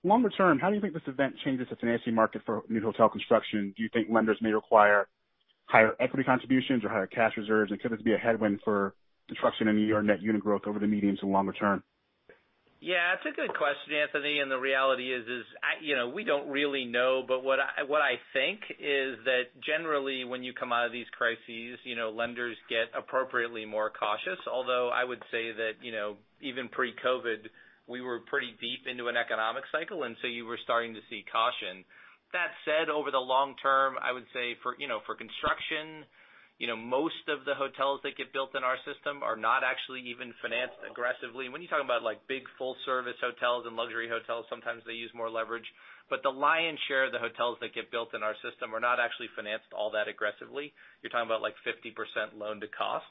Longer term, how do you think this event changes the financing market for new hotel construction? Do you think lenders may require higher equity contributions or higher cash reserves? Could this be a headwind for construction and your net unit growth over the medium to longer term? Yeah, it's a good question, Anthony. The reality is, we don't really know. What I think is that generally when you come out of these crises, lenders get appropriately more cautious. Although I would say that even pre-COVID, we were pretty deep into an economic cycle, and so you were starting to see caution. That said, over the long term, I would say for construction, most of the hotels that get built in our system are not actually even financed aggressively. When you're talking about big full-service hotels and luxury hotels, sometimes they use more leverage. The lion's share of the hotels that get built in our system are not actually financed all that aggressively. You're talking about like 50% loan to cost.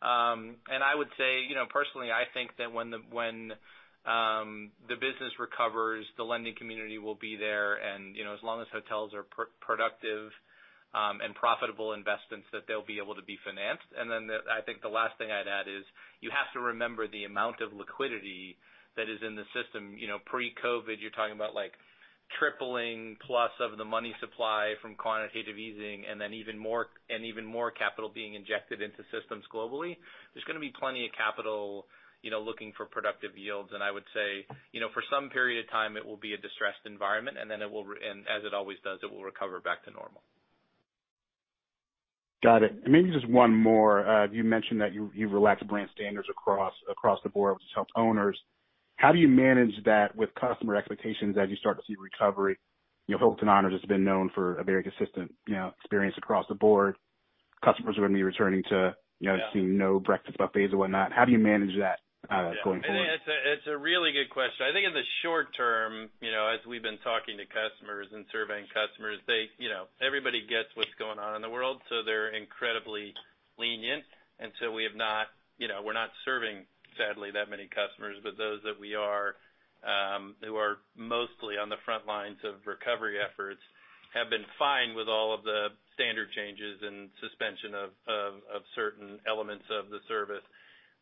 I would say, personally, I think that when the business recovers, the lending community will be there, and as long as hotels are productive and profitable investments, that they'll be able to be financed. I think the last thing I'd add is you have to remember the amount of liquidity that is in the system. Pre-COVID, you're talking about like tripling plus of the money supply from quantitative easing and even more capital being injected into systems globally. There's going to be plenty of capital looking for productive yields. I would say, for some period of time, it will be a distressed environment, and then as it always does, it will recover back to normal. Got it. Maybe just one more. You mentioned that you relaxed brand standards across the board with its owners. How do you manage that with customer expectations as you start to see recovery? Hilton Honors has been known for a very consistent experience across the board. Customers are going to be returning to seeing no breakfast buffets or whatnot. How do you manage that going forward? It's a really good question. I think in the short term, as we've been talking to customers and surveying customers, everybody gets what's going on in the world. They're incredibly lenient. We're not serving, sadly, that many customers. Those that we are, who are mostly on the front lines of recovery efforts, have been fine with all of the standard changes and suspension of certain elements of the service.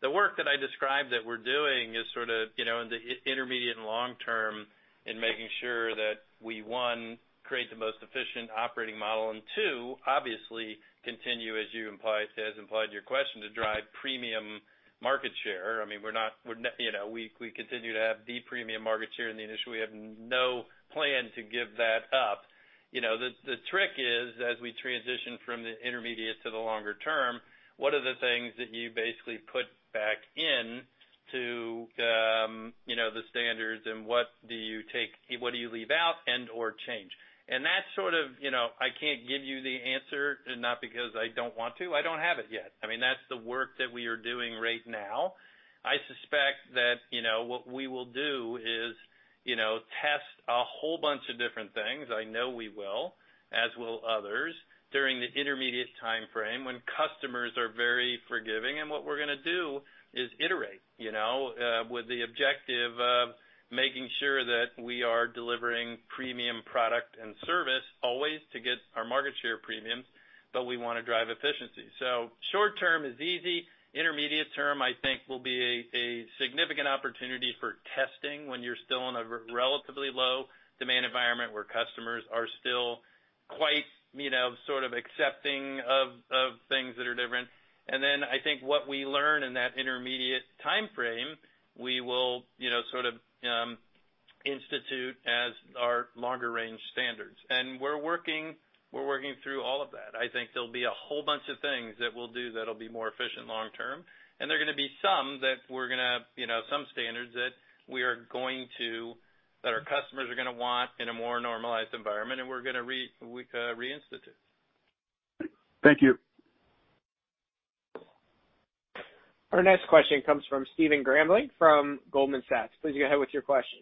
The work that I described that we're doing is sort of, in the intermediate and long term, in making sure that we, one, create the most efficient operating model. Two, obviously continue, as you implied, implied in your question, to drive premium market share. We continue to have the premium market share in the industry. We have no plan to give that up. The trick is, as we transition from the intermediate to the longer term, what are the things that you basically put back in to the standards, and what do you leave out and/or change? That sort of, I can't give you the answer, not because I don't want to, I don't have it yet. That's the work that we are doing right now. I suspect that what we will do is test a whole bunch of different things. I know we will, as will others, during the intermediate timeframe when customers are very forgiving. What we're going to do is iterate, with the objective of making sure that we are delivering premium product and service always to get our market share premiums. We want to drive efficiency. Short-term is easy. Intermediate term, I think, will be a significant opportunity for testing when you're still in a relatively low demand environment where customers are still quite accepting of things that are different. Then I think what we learn in that intermediate timeframe, we will institute as our longer range standards. We're working through all of that. I think there'll be a whole bunch of things that we'll do that'll be more efficient long term, and there are going to be some standards that our customers are going to want in a more normalized environment, and we're going to reinstitute. Thank you. Our next question comes from Stephen Grambling from Goldman Sachs. Please go ahead with your question.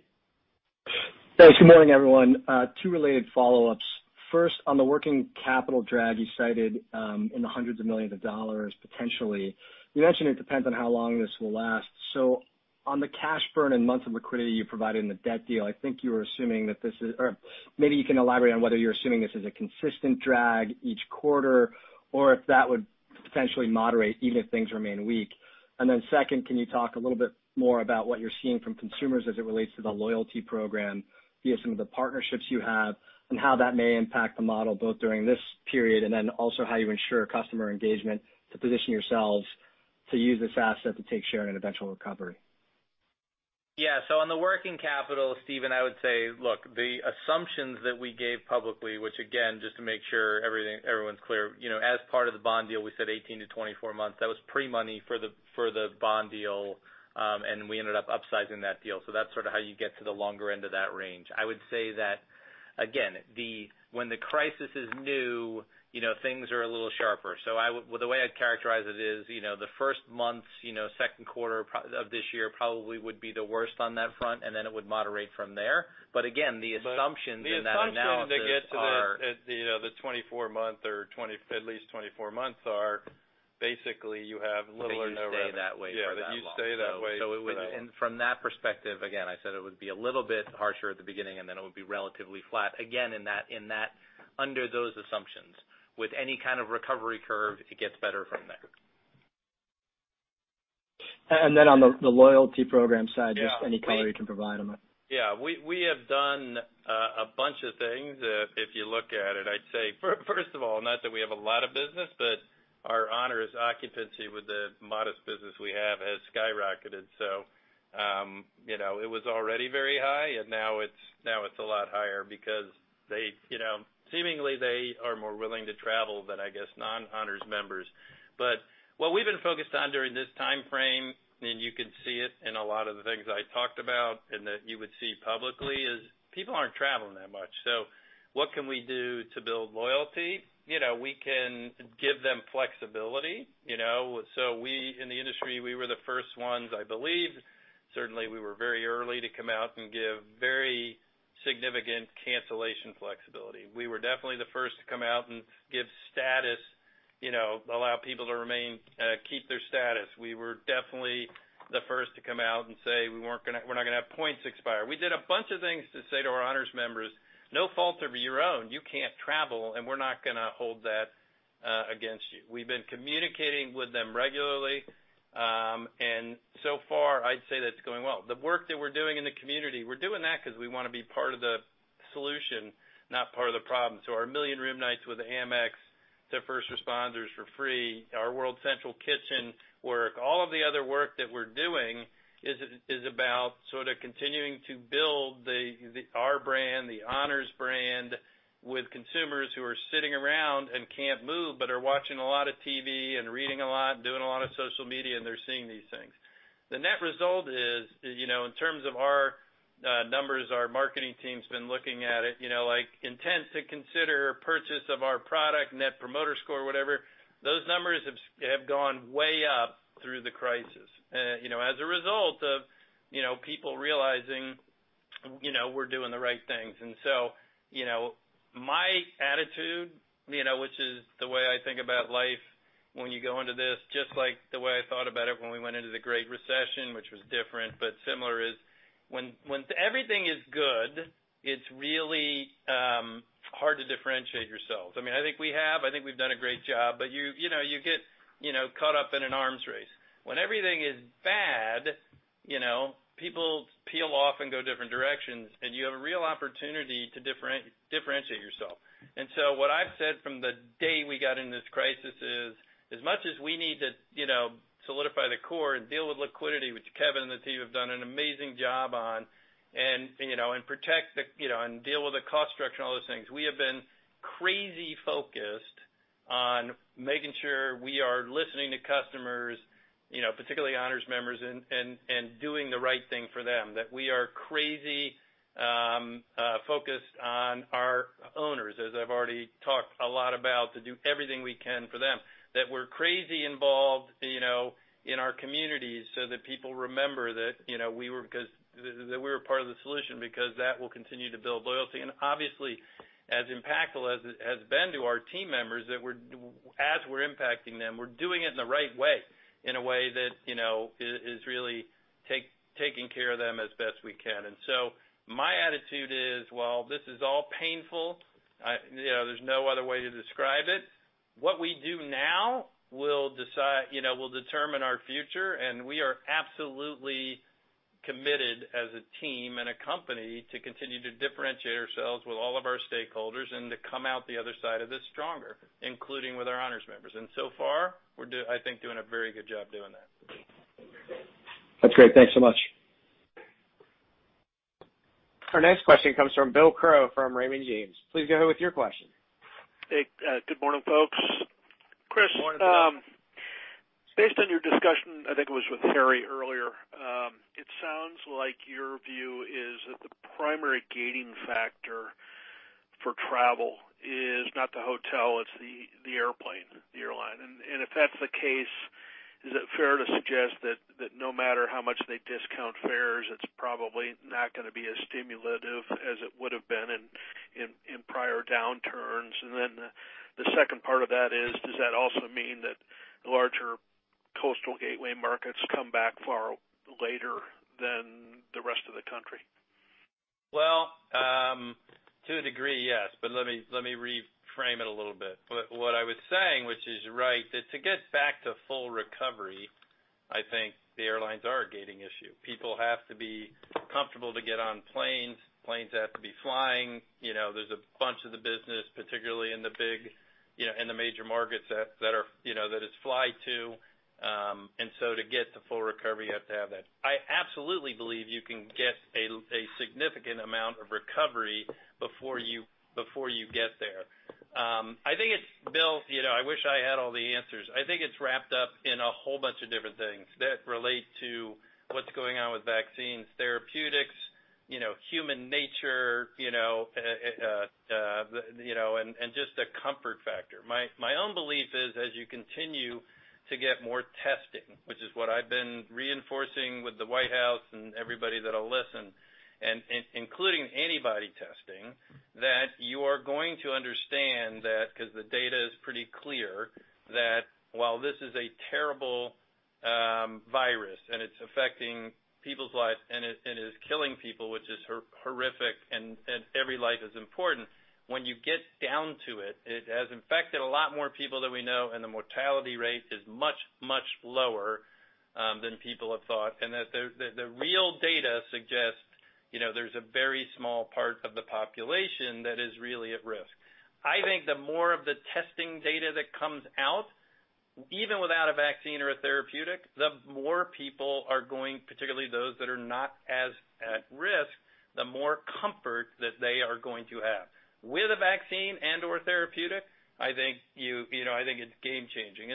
Thanks. Good morning, everyone. Two related follow-ups. First, on the working capital drag you cited in the hundreds of millions of dollars potentially. You mentioned it depends on how long this will last. On the cash burn and months of liquidity you provided in the debt deal, maybe you can elaborate on whether you're assuming this is a consistent drag each quarter or if that would potentially moderate even if things remain weak. Second, can you talk a little bit more about what you're seeing from consumers as it relates to the loyalty program via some of the partnerships you have, and how that may impact the model both during this period, and also how you ensure customer engagement to position yourselves to use this asset to take share in an eventual recovery? On the working capital, Stephen, I would say, look, the assumptions that we gave publicly, which again, just to make sure everyone's clear, as part of the bond deal, we said 18-24 months. That was pre-money for the bond deal. We ended up upsizing that deal. That's sort of how you get to the longer end of that range. I would say that, again, when the crisis is new, things are a little sharper. The way I'd characterize it is, the first months, second quarter of this year probably would be the worst on that front, and then it would moderate from there. Again, the assumptions in that analysis are- The assumption to get to the at least 24 months are basically you have little or no revenue. That you stay that way for that long. Yeah, that you stay that way. From that perspective, again, I said it would be a little bit harsher at the beginning, and then it would be relatively flat. Again, under those assumptions. With any kind of recovery curve, it gets better from there. On the loyalty program side, just any color you can provide on that. Yeah. We have done a bunch of things. If you look at it, I'd say, first of all, not that we have a lot of business, but our Honors occupancy with the modest business we have has skyrocketed. It was already very high, and now it's a lot higher because seemingly, they are more willing to travel than, I guess, non-Honors members. What we've been focused on during this timeframe, and you can see it in a lot of the things I talked about and that you would see publicly, is people aren't traveling that much. What can we do to build loyalty? We can give them flexibility. In the industry, we were the first ones, I believe. Certainly, we were very early to come out and give very significant cancellation flexibility. We were definitely the first to come out and give status, allow people to keep their status. We were definitely the first to come out and say we're not going to have points expire. We did a bunch of things to say to our honors members, "No fault of your own, you can't travel, and we're not going to hold that against you." So far, I'd say that's going well. The work that we're doing in the community, we're doing that because we want to be part of the solution, not part of the problem. Our million room nights with Amex to first responders for free, our World Central Kitchen work, all of the other work that we're doing is about sort of continuing to build our brand, the Honors brand, with consumers who are sitting around and can't move, but are watching a lot of TV and reading a lot and doing a lot of social media, and they're seeing these things. The net result is, in terms of our numbers, our marketing team's been looking at it, like intent to consider purchase of our product, Net Promoter Score, whatever, those numbers have gone way up through the crisis, as a result of people realizing we're doing the right things. My attitude, which is the way I think about life when you go into this, just like the way I thought about it when we went into the Great Recession, which was different but similar, is when everything is good, it's really hard to differentiate yourselves. I think we have. I think we've done a great job, but you get caught up in an arms race. When everything is bad, people peel off and go different directions, and you have a real opportunity to differentiate yourself. What I've said from the day we got in this crisis is, as much as we need to solidify the core and deal with liquidity, which Kevin and the team have done an amazing job on, and deal with the cost structure and all those things. We have been crazy focused on making sure we are listening to customers, particularly Honors members, and doing the right thing for them, that we are crazy focused on our owners, as I've already talked a lot about, to do everything we can for them. We're crazy involved in our communities so that people remember that we were part of the solution because that will continue to build loyalty. Obviously, as impactful as it has been to our team members, that as we're impacting them, we're doing it in the right way, in a way that is really taking care of them as best we can. My attitude is, while this is all painful, there's no other way to describe it. What we do now will determine our future, and we are absolutely committed as a team and a company to continue to differentiate ourselves with all of our stakeholders and to come out the other side of this stronger, including with our Honors members. So far, we're, I think, doing a very good job doing that. That's great. Thanks so much. Our next question comes from Bill Crow from Raymond James. Please go ahead with your question. Hey. Good morning, folks. Good morning, Bill. Chris, based on your discussion, I think it was with Harry earlier, it sounds like your view is that the primary gating factor for travel is not the hotel, it's the airplane, the airline. If that's the case, is it fair to suggest that no matter how much they discount fares, it's probably not going to be as stimulative as it would've been in prior downturns? The second part of that is, does that also mean that the larger coastal gateway markets come back far later than the rest of the country? To a degree, yes, but let me reframe it a little bit. What I was saying, which is right, that to get back to full recovery, I think the airlines are a gating issue. People have to be comfortable to get on planes. Planes have to be flying. There's a bunch of the business, particularly in the major markets that it's fly to. To get to full recovery, you have to have that. I absolutely believe you can get a significant amount of recovery before you get there. Bill, I wish I had all the answers. I think it's wrapped up in a whole bunch of different things that relate to what's going on with vaccines, therapeutics, human nature, and just a comfort factor. My own belief is as you continue to get more testing, which is what I've been reinforcing with the White House and everybody that'll listen, including antibody testing, that you are going to understand that because the data is pretty clear that while this is a terrible virus and it's affecting people's lives and it is killing people, which is horrific and every life is important, when you get down to it has infected a lot more people than we know, and the mortality rate is much, much lower than people have thought, and that the real data suggests there's a very small part of the population that is really at risk. I think the more of the testing data that comes out, even without a vaccine or a therapeutic, the more people are going, particularly those that are not as at risk, the more comfort that they are going to have. With a vaccine and/or therapeutic, I think it's game changing.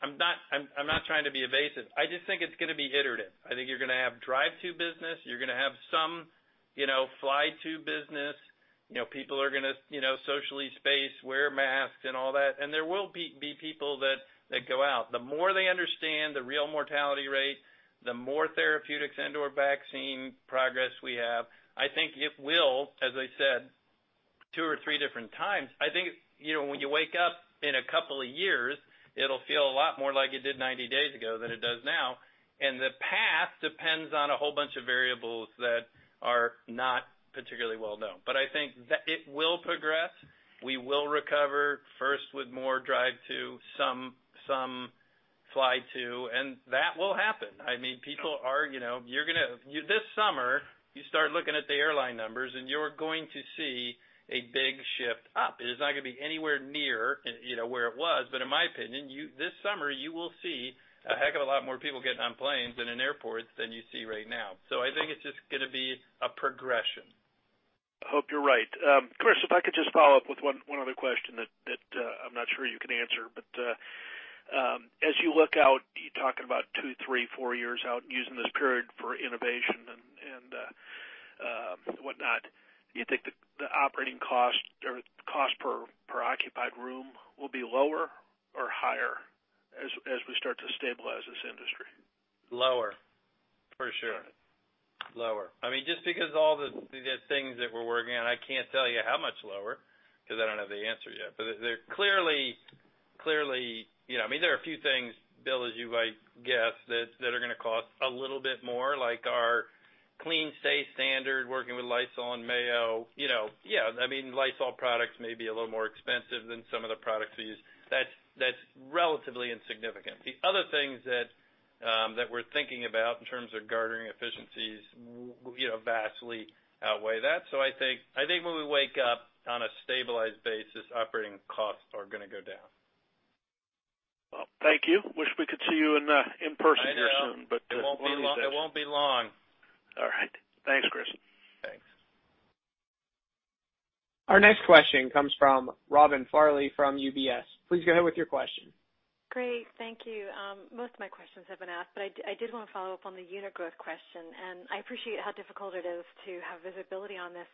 I'm not trying to be evasive. I just think it's going to be iterative. I think you're going to have drive-to business. You're going to have some fly-to business. People are going to socially space, wear masks, and all that, and there will be people that go out. The more they understand the real mortality rate, the more therapeutics and/or vaccine progress we have, I think it will, as I said two or three different times, I think when you wake up in a couple of years, it'll feel a lot more like it did 90 days ago than it does now. The path depends on a whole bunch of variables that are not particularly well known. I think that it will progress We will recover first with more drive to some fly to, and that will happen. This summer, you start looking at the airline numbers, and you're going to see a big shift up. It is not going to be anywhere near where it was, but in my opinion, this summer, you will see a heck of a lot more people getting on planes and in airports than you see right now. I think it's just going to be a progression. I hope you're right. Chris, if I could just follow up with one other question that I'm not sure you can answer. As you look out, you're talking about two, three, four years out using this period for innovation and whatnot, do you think the operating cost or cost per occupied room will be lower or higher as we start to stabilize this industry? Lower, for sure. Lower. Just because all the things that we're working on, I can't tell you how much lower, because I don't have the answer yet. There are a few things, Bill, as you might guess, that are going to cost a little bit more, like our CleanStay standard, working with Lysol and Mayo. Lysol products may be a little more expensive than some of the products we use. That's relatively insignificant. The other things that we're thinking about in terms of garnering efficiencies will vastly outweigh that. I think when we wake up on a stabilized basis, operating costs are going to go down. Well, thank you. Wish we could see you in person here soon. I know. It won't be long. All right. Thanks, Chris. Thanks. Our next question comes from Robin Farley from UBS. Please go ahead with your question. Great. Thank you. Most of my questions have been asked, but I did want to follow up on the unit growth question, and I appreciate how difficult it is to have visibility on this.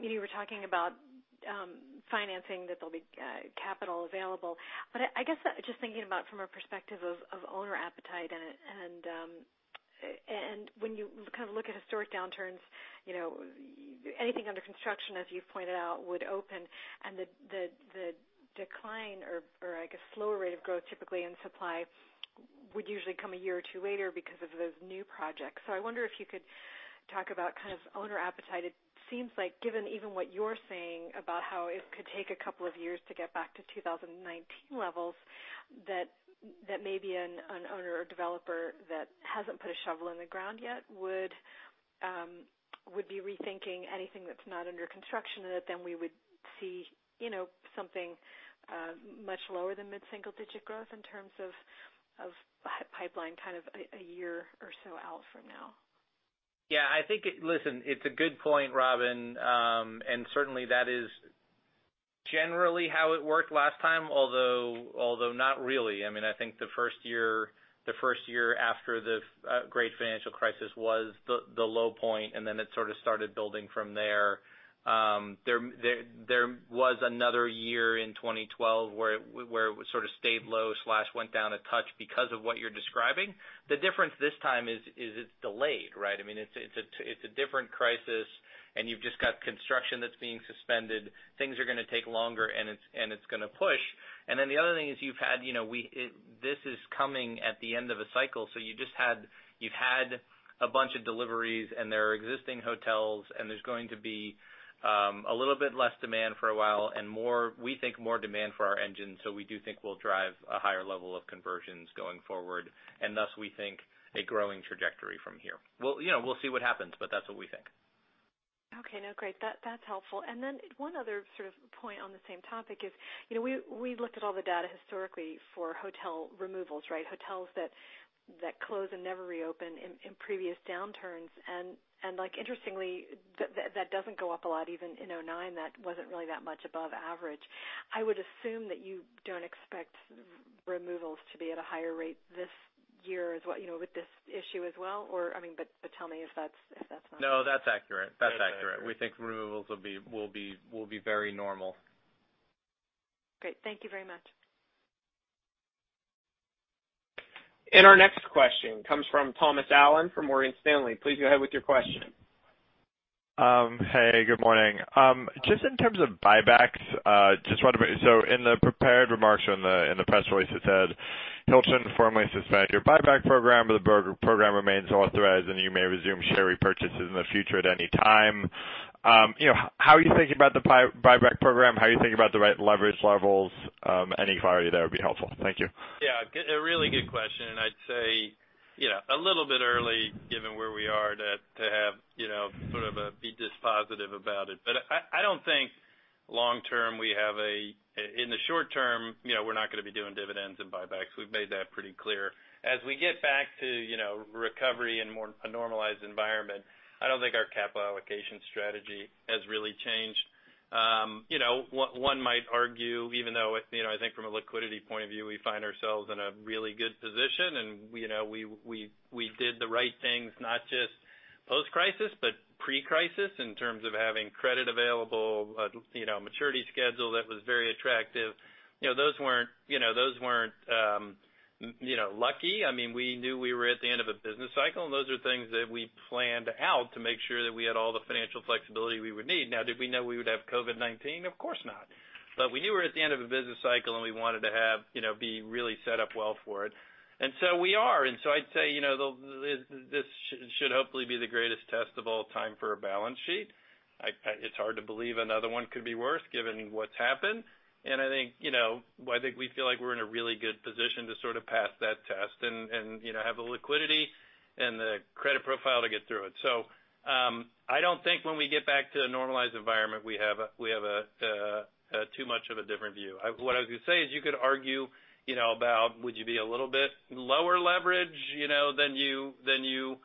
You were talking about financing, that there'll be capital available. I guess just thinking about from a perspective of owner appetite, and when you look at historic downturns, anything under construction, as you've pointed out, would open and the decline or, I guess, slower rate of growth typically in supply would usually come a year or two later because of those new projects. I wonder if you could talk about owner appetite. It seems like given even what you're saying about how it could take a couple of years to get back to 2019 levels, that maybe an owner or developer that hasn't put a shovel in the ground yet would be rethinking anything that's not under construction, and that then we would see something much lower than mid-single digit growth in terms of pipeline a year or so out from now. Yeah. Listen, it's a good point, Robin, and certainly, that is generally how it worked last time, although not really. I think the first year after the great financial crisis was the low point, and then it sorts of started building from there. There was another year in 2012 where it sorts of stayed low/went down a touch because of what you're describing. The difference this time is it's delayed. It's a different crisis, and you've just got construction that's being suspended. Things are going to take longer, and it's going to push. The other thing is this is coming at the end of a cycle. You've had a bunch of deliveries, and there are existing hotels, and there's going to be a little bit less demand for a while and we think more demand for our engines. We do think we'll drive a higher level of conversions going forward, and thus, we think a growing trajectory from here. We'll see what happens, but that's what we think. Okay. No, great. That's helpful. One other sort of point on the same topic is, we looked at all the data historically for hotel removals. Hotels that close and never reopen in previous downturns, and interestingly, that doesn't go up a lot, even in 2009. That wasn't really that much above average. I would assume that you don't expect removals to be at a higher rate this year with this issue as well but tell me if that's not the case. No, that's accurate. We think removals will be very normal. Great. Thank you very much. Our next question comes from Thomas Allen from Morgan Stanley. Please go ahead with your question. Hey, good morning. Just in terms of buybacks, so in the prepared remarks in the press release, it said, "Hilton formally suspended your buyback program, but the program remains authorized, and you may resume share repurchases in the future at any time." How are you thinking about the buyback program? How are you thinking about the right leverage levels? Any clarity there would be helpful. Thank you. Yeah. A really good question. I'd say, a little bit early given where we are to be this positive about it. I don't think in the short term, we're not going to be doing dividends and buybacks. We've made that pretty clear. As we get back to recovery and a normalized environment, I don't think our capital allocation strategy has really changed. One might argue, even though I think from a liquidity point of view, we find ourselves in a really good position, we did the right things, not just post-crisis, but pre-crisis in terms of having credit available, a maturity schedule that was very attractive. Those weren't lucky. We knew we were at the end of a business cycle; those are things that we planned out to make sure that we had all the financial flexibility we would need. Now, did we know we would have COVID-19? Of course not. We knew we were at the end of a business cycle, and we wanted to be really set up well for it. We are. I'd say, this should hopefully be the greatest test of all time for a balance sheet. It's hard to believe another one could be worse given what's happened. I think we feel like we're in a really good position to sort of pass that test and have the liquidity and the credit profile to get through it. I don't think when we get back to a normalized environment, we have too much of a different view. What I would say is you could argue about would you be a little bit lower leverage than you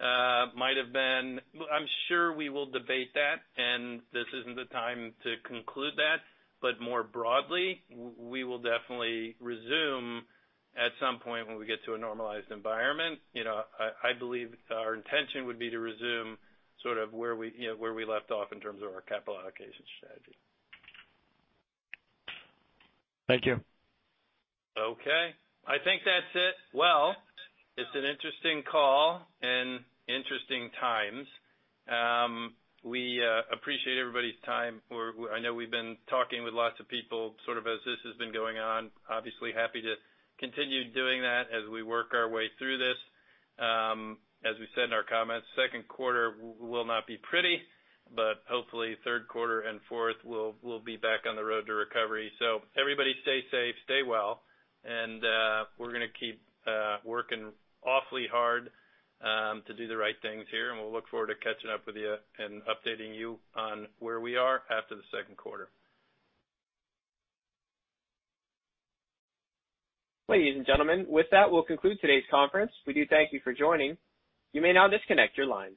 might have been? I'm sure we will debate that; this isn't the time to conclude that. More broadly, we will definitely resume at some point when we get to a normalized environment. I believe our intention would be to resume sort of where we left off in terms of our capital allocation strategy. Thank you. Okay. I think that's it. Well, it's an interesting call and interesting times. We appreciate everybody's time. I know we've been talking with lots of people sort of as this has been going on. Obviously, happy to continue doing that as we work our way through this. As we said in our comments, second quarter will not be pretty, hopefully third quarter and fourth, we'll be back on the road to recovery. Everybody stay safe, stay well, and we're going to keep working awfully hard to do the right things here, and we'll look forward to catching up with you and updating you on where we are after the second quarter. Ladies and gentlemen, with that, we'll conclude today's conference. We do thank you for joining. You may now disconnect your lines.